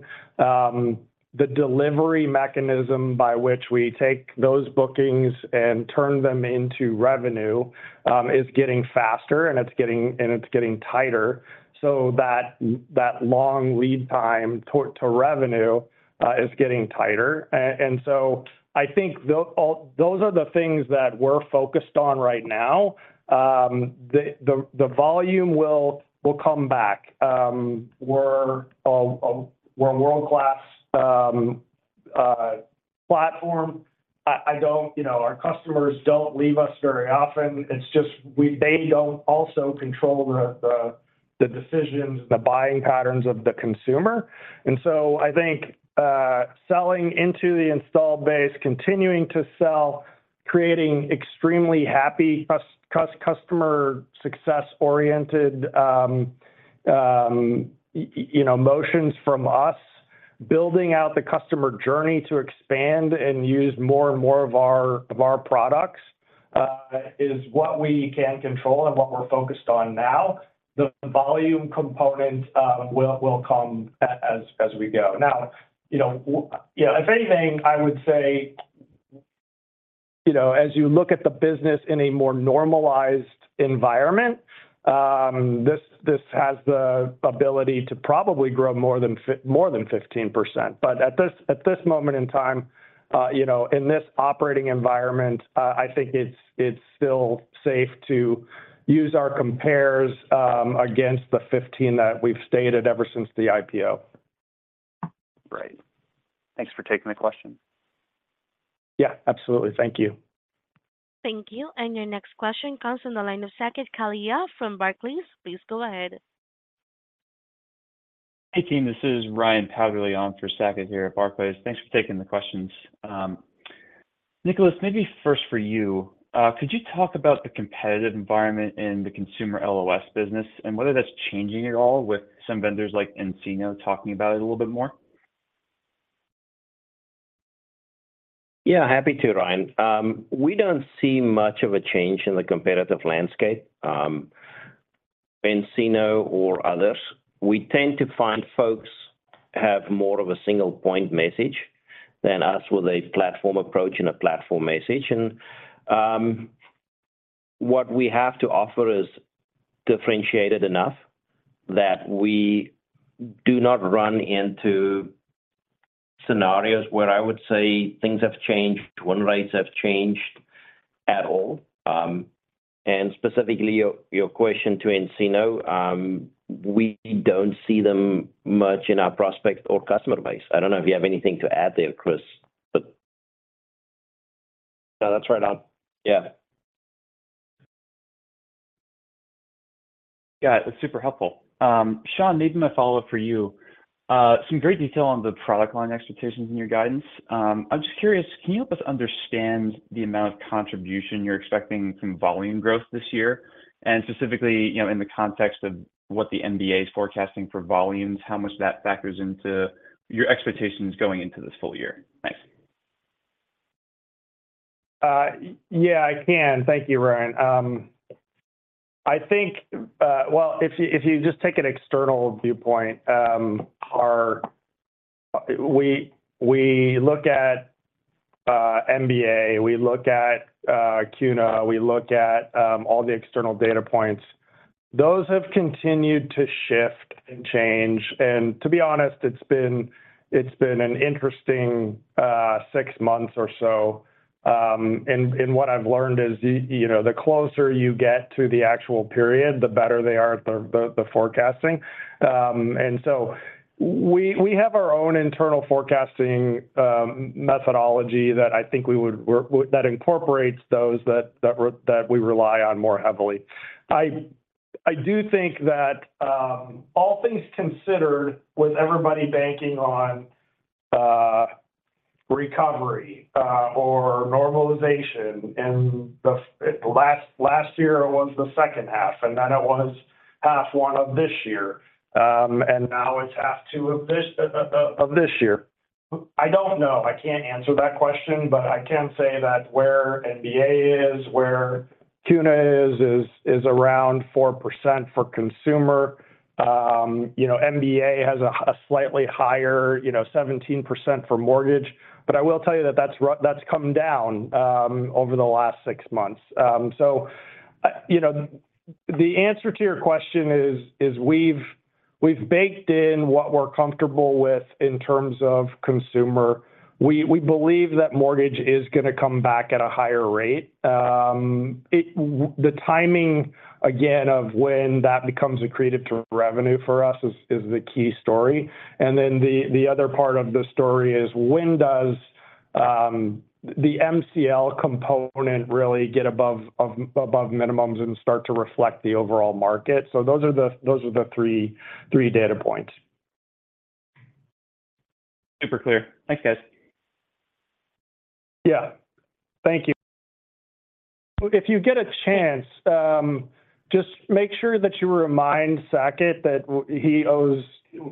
The delivery mechanism by which we take those bookings and turn them into revenue is getting faster, and it's getting tighter. So that long lead time to revenue is getting tighter. And so I think those are the things that we're focused on right now. The volume will come back. We're a world-class platform. I don't... You know, our customers don't leave us very often. It's just they don't also control the decisions, the buying patterns of the consumer. And so I think selling into the installed base, continuing to sell, creating extremely happy customer success-oriented, you know, motions from us, building out the customer journey to expand and use more and more of our products is what we can control and what we're focused on now. The volume component will come as we go. Now, you know, if anything, I would say, you know, as you look at the business in a more normalized environment, this has the ability to probably grow more than 15%. But at this moment in time, you know, in this operating environment, I think it's still safe to use our compares against the 15% that we've stated ever since the IPO. Great. Thanks for taking the question. Yeah, absolutely. Thank you. Thank you. And your next question comes from the line of Saket Kalia from Barclays. Please go ahead. Hey, team, this is Ryan MacWilliams on for Saket here at Barclays. Thanks for taking the questions. Nicolaas, maybe first for you, could you talk about the competitive environment in the consumer LOS business and whether that's changing at all with some vendors like nCino talking about it a little bit more? Yeah, happy to, Ryan. We don't see much of a change in the competitive landscape, nCino or others. We tend to find folks have more of a single point message than us with a platform approach and a platform message. And, what we have to offer is differentiated enough that we do not run into scenarios where I would say things have changed, win rates have changed at all. And specifically, your question to nCino, we don't see them much in our prospect or customer base. I don't know if you have anything to add there, Chris, but... No, that's right on. Yeah. Yeah, it's super helpful. Sean, maybe my follow-up for you. Some great detail on the product line expectations in your guidance. I'm just curious, can you help us understand the amount of contribution you're expecting from volume growth this year? And specifically, you know, in the context of what the MBA is forecasting for volumes, how much that factors into your expectations going into this full year? Thanks. Yeah, I can. Thank you, Ryan. I think, well, if you just take an external viewpoint, we look at MBA, we look at CUNA, we look at all the external data points. Those have continued to shift and change. And to be honest, it's been an interesting six months or so. And what I've learned is, you know, the closer you get to the actual period, the better they are at the forecasting. And so we have our own internal forecasting methodology that I think we would work, that incorporates those that we rely on more heavily. I do think that, all things considered, with everybody banking on recovery or normalization in the last year, it was the second half, and then it was half one of this year, and now it's half two of this year. I don't know. I can't answer that question, but I can say that where MBA is, where CUNA is, is around 4% for consumer. You know, MBA has a slightly higher, you know, 17% for mortgage. But I will tell you that that's come down over the last six months. So, you know, the answer to your question is we've baked in what we're comfortable with in terms of consumer. We believe that mortgage is gonna come back at a higher rate. The timing, again, of when that becomes accretive to revenue for us is the key story. And then the other part of the story is when does the MCL component really get above minimums and start to reflect the overall market? So those are the three data points. Super clear. Thanks, guys. Yeah. Thank you. If you get a chance, just make sure that you remind Saket that he owes...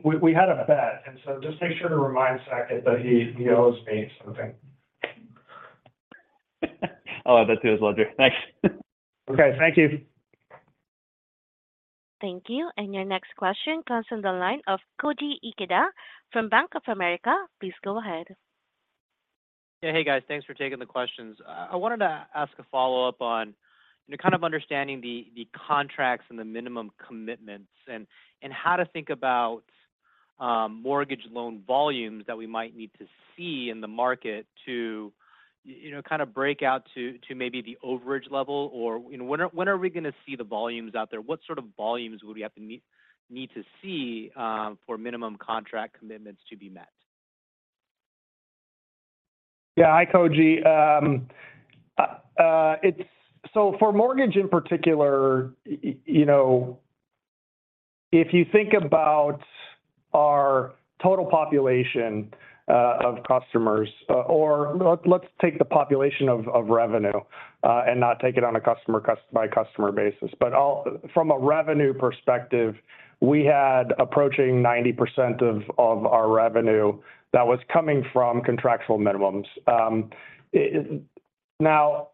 We had a bet, and so just make sure to remind Saket that he owes me something. I'll add that to his ledger. Thanks. Okay, thank you. Thank you. And your next question comes from the line of Koji Ikeda from Bank of America. Please go ahead. Yeah. Hey, guys. Thanks for taking the questions. I wanted to ask a follow-up on, you know, kind of understanding the, the contracts and the minimum commitments, and how to think about, mortgage loan volumes that we might need to see in the market to, you know, kind of break out to, to maybe the overage level or, you know, when are we gonna see the volumes out there? What sort of volumes would we have to meet need to see for minimum contract commitments to be met? Yeah. Hi, Koji. It's so for mortgage in particular, you know, if you think about our total population of customers, or let's take the population of revenue, and not take it on a customer by customer basis. But all from a revenue perspective, we had approaching 90% of our revenue that was coming from contractual minimums. Now,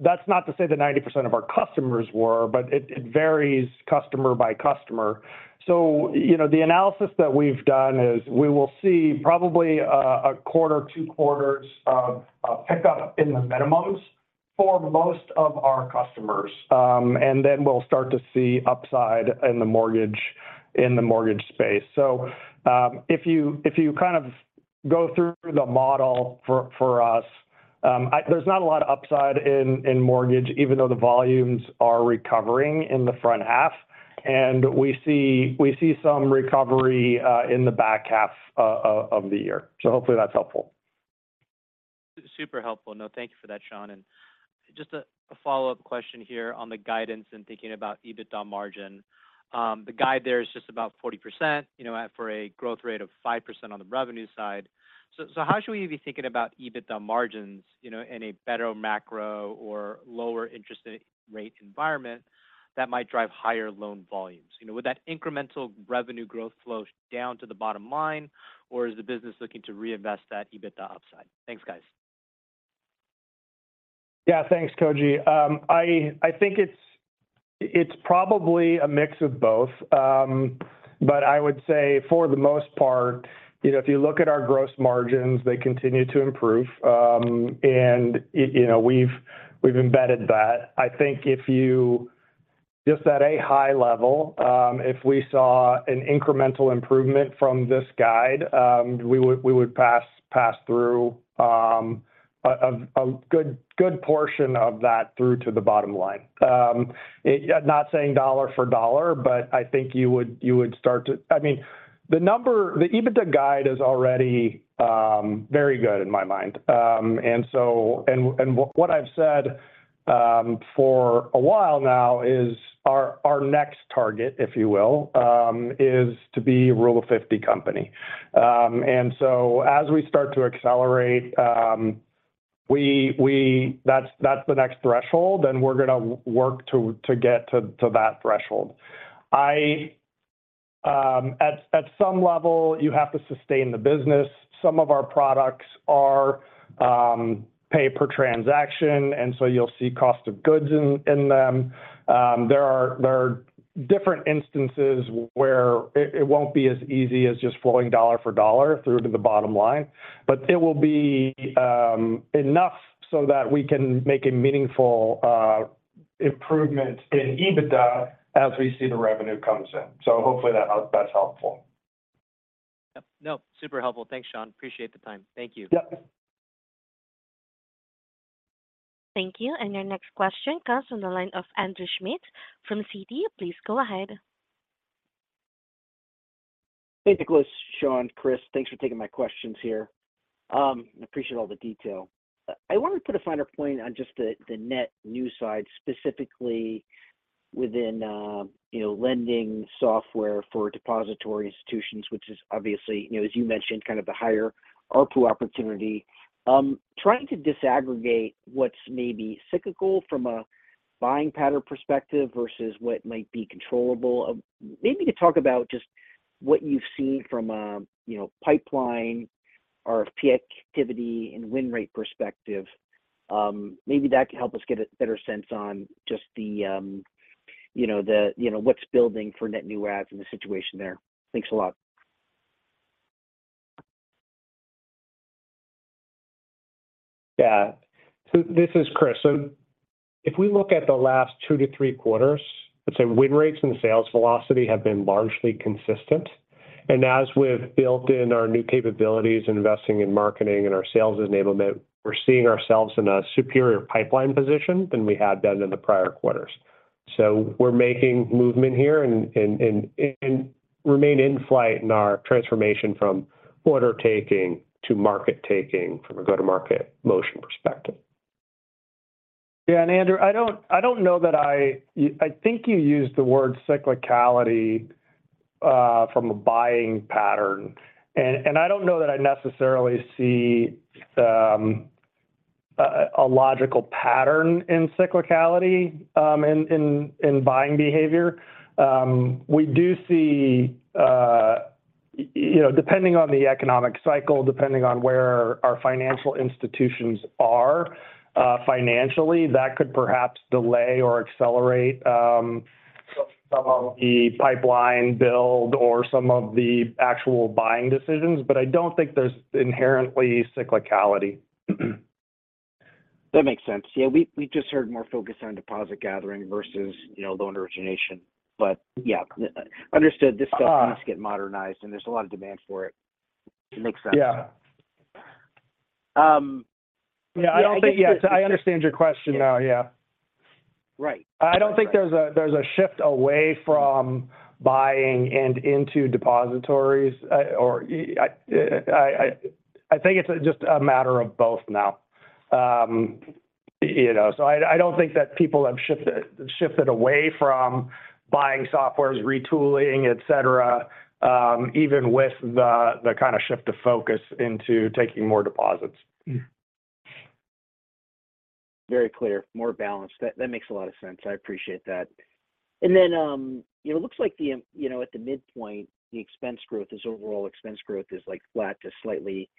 that's not to say that 90% of our customers were, but it varies customer by customer. So, you know, the analysis that we've done is we will see probably a quarter, two quarters of pickup in the minimums for most of our customers. And then we'll start to see upside in the mortgage space. So, if you kind of go through the model for us, there's not a lot of upside in mortgage, even though the volumes are recovering in the front half. And we see some recovery in the back half of the year. So hopefully that's helpful. Super helpful. No, thank you for that, Sean. And just a follow-up question here on the guidance and thinking about EBITDA margin. The guide there is just about 40%, you know, for a growth rate of 5% on the revenue side. So how should we be thinking about EBITDA margins, you know, in a better macro or lower interest rate environment that might drive higher loan volumes? You know, would that incremental revenue growth flow down to the bottom line, or is the business looking to reinvest that EBITDA upside? Thanks, guys. Yeah. Thanks, Koji. I think it's probably a mix of both. But I would say, for the most part, you know, if you look at our gross margins, they continue to improve. And it, you know, we've embedded that. I think if you just at a high level, if we saw an incremental improvement from this guide, we would pass through a good portion of that through to the bottom line. Not saying dollar for dollar, but I think you would start to. I mean, the number, the EBITDA guide is already very good in my mind. And so. And what I've said for a while now is our next target, if you will, is to be Rule of 50 company. And so as we start to accelerate, that's the next threshold, and we're gonna work to get to that threshold. At some level, you have to sustain the business. Some of our products are pay per transaction, and so you'll see cost of goods in them. There are different instances where it won't be as easy as just flowing dollar for dollar through to the bottom line, but it will be enough so that we can make a meaningful improvement in EBITDA as we see the revenue comes in. So hopefully that's helpful. Yep. No, super helpful. Thanks, Sean. Appreciate the time. Thank you. Yep. Thank you. And your next question comes from the line of Andrew Schmidt from Citi. Please go ahead. Hey, Nicolaas, Sean, Chris. Thanks for taking my questions here. I appreciate all the detail. I wanted to put a finer point on just the net new side, specifically within, you know, lending software for depository institutions, which is obviously, you know, as you mentioned, kind of the higher ARPU opportunity. Trying to disaggregate what's maybe cyclical from a buying pattern perspective versus what might be controllable. Maybe to talk about just what you've seen from a, you know, pipeline, RFP activity, and win rate perspective. Maybe that could help us get a better sense on just the, you know, what's building for net new adds and the situation there. Thanks a lot. Yeah. So this is Chris. So if we look at the last 2-3 quarters, let's say win rates and sales velocity have been largely consistent. And as we've built in our new capabilities, investing in marketing and our sales enablement, we're seeing ourselves in a superior pipeline position than we had done in the prior quarters. So we're making movement here and remain in flight in our transformation from order-taking to market-taking, from a go-to-market motion perspective. Yeah, and Andrew, I don't know that I... I think you used the word cyclicality from a buying pattern. And I don't know that I necessarily see a logical pattern in cyclicality in buying behavior. We do see, you know, depending on the economic cycle, depending on where our financial institutions are financially, that could perhaps delay or accelerate some of the pipeline build or some of the actual buying decisions. But I don't think there's inherently cyclicality. That makes sense. Yeah, we just heard more focus on deposit gathering versus, you know, loan origination. But, yeah, understood. This stuff needs to get modernized, and there's a lot of demand for it. It makes sense. Yeah. Um, Yeah, I understand your question now. Yeah. Right. I don't think there's a shift away from buying and into depositories, or I think it's just a matter of both now. You know, so I don't think that people have shifted away from buying softwares, retooling, etc., even with the kind of shift of focus into taking more deposits. Very clear, more balanced. That, that makes a lot of sense. I appreciate that. And then, it looks like the, you know, at the midpoint, the expense growth, this overall expense growth is, like, flat to slightly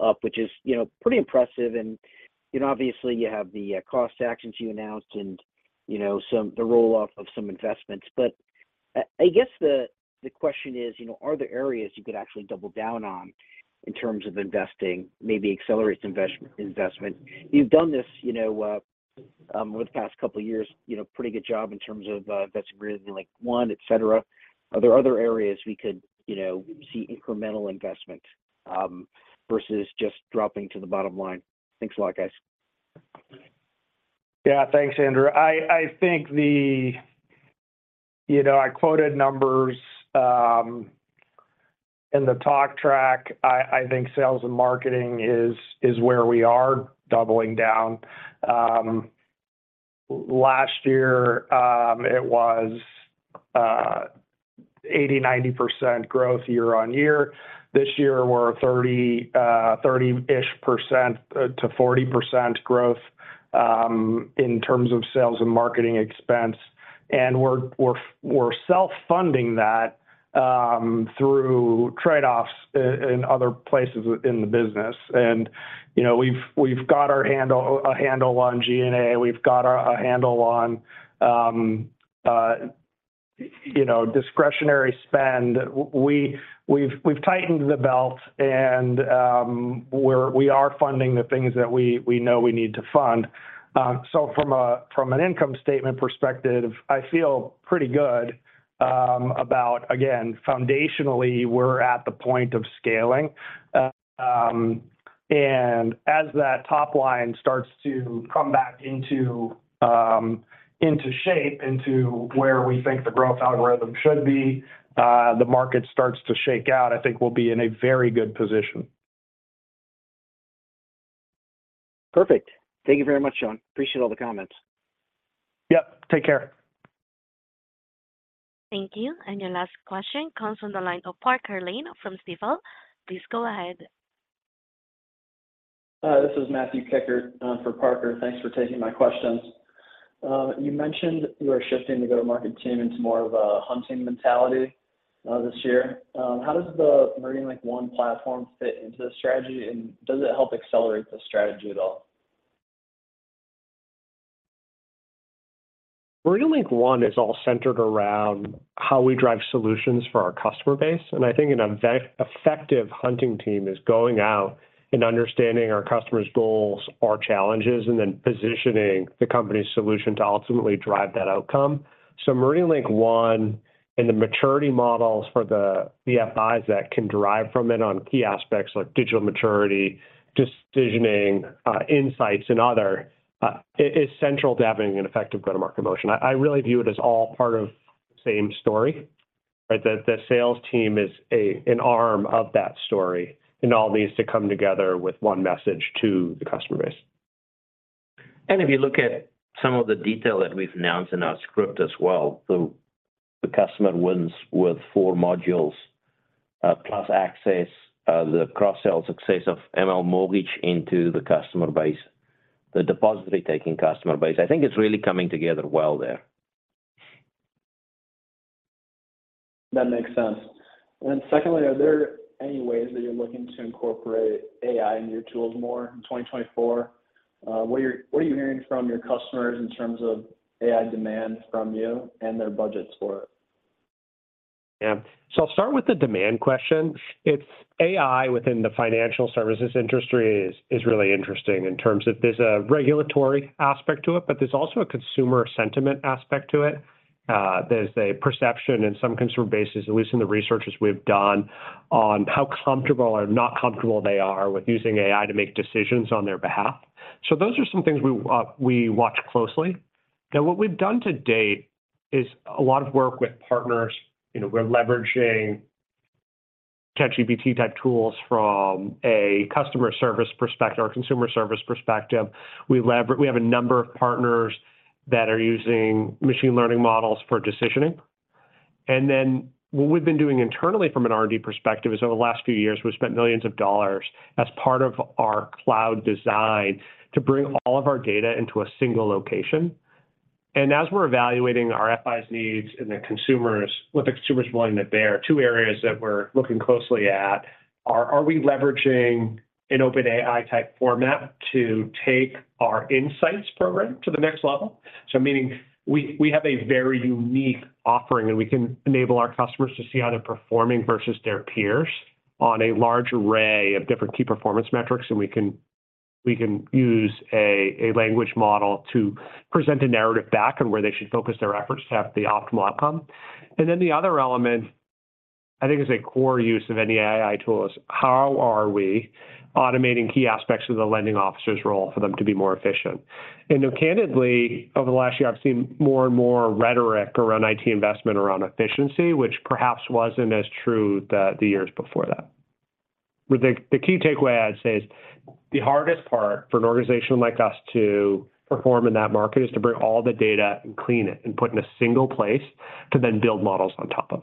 up, which is, you know, pretty impressive. And, you know, obviously, you have the, cost actions you announced and, you know, some the roll-off of some investments. But I, I guess the, the question is, you know, are there areas you could actually double down on in terms of investing, maybe accelerate investment, investment? You've done this, you know, over the past couple of years, you know, pretty good job in terms of, investing in Link One, etc. Are there other areas we could, you know, see incremental investment, versus just dropping to the bottom line? Thanks a lot, guys. Yeah, thanks, Andrew. I think the... You know, I quoted numbers in the talk track. I think sales and marketing is where we are doubling down. Last year, it was 80-90% growth year-over-year. This year, we're 30-ish%-40% growth in terms of sales and marketing expense. And we're self-funding that through trade-offs in other places within the business. And, you know, we've got a handle on G&A, we've got a handle on, you know, discretionary spend. We've tightened the belt and we are funding the things that we know we need to fund. So from an income statement perspective, I feel pretty good about... Again, foundationally, we're at the point of scaling. As that top line starts to come back into shape, into where we think the growth algorithm should be, the market starts to shake out, I think we'll be in a very good position. Perfect. Thank you very much, Sean. Appreciate all the comments. Yep. Take care. Thank you. Your last question comes from the line of Parker Lane from Stifel. Please go ahead.... Hi, this is Matthew Kikkert for Parker. Thanks for taking my questions. You mentioned you are shifting the go-to-market team into more of a hunting mentality this year. How does the MeridianLink One platform fit into the strategy, and does it help accelerate the strategy at all? MeridianLink One is all centered around how we drive solutions for our customer base, and I think an effective hunting team is going out and understanding our customer's goals, our challenges, and then positioning the company's solution to ultimately drive that outcome. So MeridianLink One and the maturity models for the FIs that can derive from it on key aspects like digital maturity, decisioning, insights and other is central to having an effective go-to-market motion. I really view it as all part of same story, right? That the sales team is a, an arm of that story, and all needs to come together with one message to the customer base. And if you look at some of the detail that we've announced in our script as well, the customer wins with four modules, plus access, the cross-sell success of ML Mortgage into the customer base, the depository taking customer base. I think it's really coming together well there. That makes sense. And then secondly, are there any ways that you're looking to incorporate AI into your tools more in 2024? What are you hearing from your customers in terms of AI demand from you and their budgets for it? Yeah. So I'll start with the demand question. It's... AI within the financial services industry is, is really interesting in terms of there's a regulatory aspect to it, but there's also a consumer sentiment aspect to it. There's a perception in some consumer bases, at least in the researches we've done, on how comfortable or not comfortable they are with using AI to make decisions on their behalf. So those are some things we, we watch closely. Now, what we've done to date is a lot of work with partners. You know, we're leveraging ChatGPT-type tools from a customer service perspective or consumer service perspective. We have a number of partners that are using machine learning models for decisioning. Then what we've been doing internally from an R&D perspective is over the last few years, we've spent $ millions as part of our cloud design to bring all of our data into a single location. As we're evaluating our FI's needs and the consumers, what the consumers willing to bear, two areas that we're looking closely at are, are we leveraging an OpenAI-type format to take our insights program to the next level? Meaning we have a very unique offering, and we can enable our customers to see how they're performing versus their peers on a large array of different key performance metrics. And we can use a language model to present a narrative back on where they should focus their efforts to have the optimal outcome. Then the other element, I think is a core use of any AI tool, is how are we automating key aspects of the lending officer's role for them to be more efficient? And candidly, over the last year, I've seen more and more rhetoric around IT investment, around efficiency, which perhaps wasn't as true the years before that. But the key takeaway, I'd say, is the hardest part for an organization like us to perform in that market is to bring all the data and clean it and put in a single place to then build models on top of.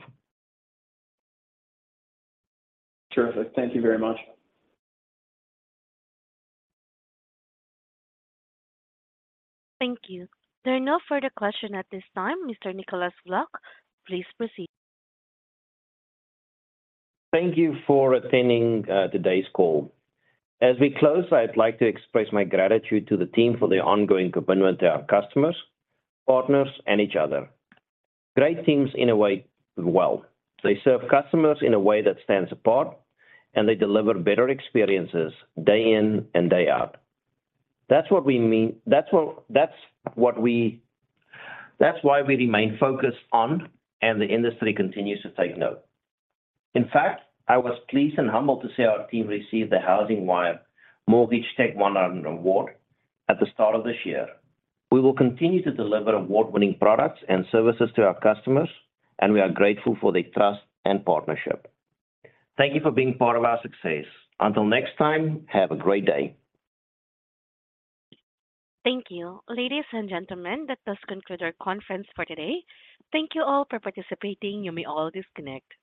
Terrific. Thank you very much. Thank you. There are no further questions at this time. Mr. Nicolaas Vlok, please proceed. Thank you for attending today's call. As we close, I'd like to express my gratitude to the team for their ongoing commitment to our customers, partners, and each other. Great teams in a way do well. They serve customers in a way that stands apart, and they deliver better experiences day in and day out. That's what we mean. That's what we— That's why we remain focused on, and the industry continues to take note. In fact, I was pleased and humbled to see our team receive the HousingWire Tech100 Mortgage Award at the start of this year. We will continue to deliver award-winning products and services to our customers, and we are grateful for their trust and partnership. Thank you for being part of our success. Until next time, have a great day. Thank you. Ladies and gentlemen, that does conclude our conference for today. Thank you all for participating. You may all disconnect.